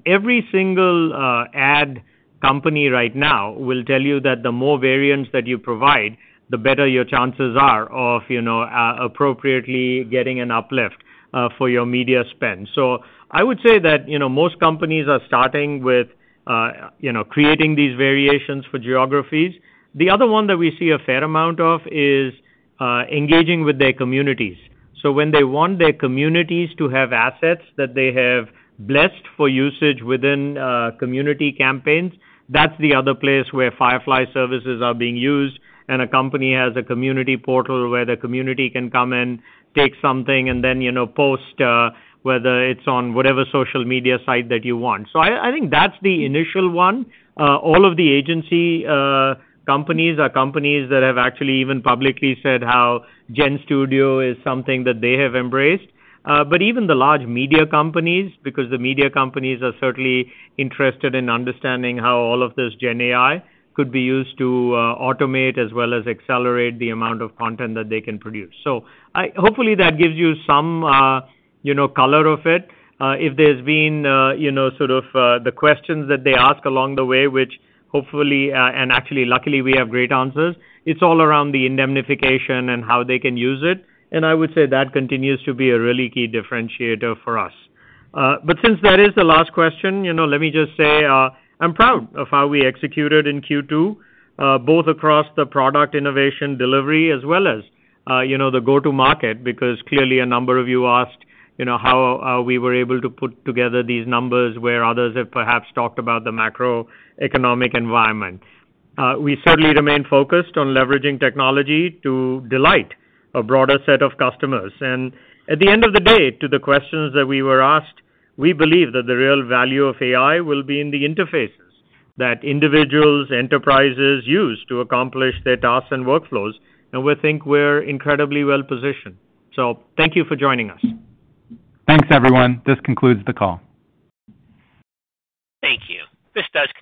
every single, ad company right now will tell you that the more variants that you provide, the better your chances are of, you know, appropriately getting an uplift, for your media spend. So I would say that, you know, most companies are starting with, you know, creating these variations for geographies. The other one that we see a fair amount of is, engaging with their communities. So when they want their communities to have assets that they have blessed for usage within, community campaigns, that's the other place where Firefly Services are being used, and a company has a community portal where the community can come in, take something, and then, you know, post, whether it's on whatever social media site that you want. So I think that's the initial one. All of the agency, companies are companies that have actually even publicly said how GenStudio is something that they have embraced. But even the large media companies, because the media companies are certainly interested in understanding how all of this GenAI could be used to, automate as well as accelerate the amount of content that they can produce. So hopefully, that gives you some, you know, color of it. If there's been, you know, sort of, the questions that they ask along the way, which hopefully, and actually, luckily, we have great answers, it's all around the indemnification and how they can use it. And I would say that continues to be a really key differentiator for us. But since that is the last question, you know, let me just say, I'm proud of how we executed in Q2, both across the product innovation delivery as well as, you know, the go-to-market, because clearly a number of you asked, you know, how we were able to put together these numbers, where others have perhaps talked about the macroeconomic environment. We certainly remain focused on leveraging technology to delight a broader set of customers. And at the end of the day, to the questions that we were asked, we believe that the real value of AI will be in the interfaces that individuals, enterprises use to accomplish their tasks and workflows, and we think we're incredibly well positioned. So thank you for joining us. Thanks, everyone. This concludes the call. Thank you. This does conclude-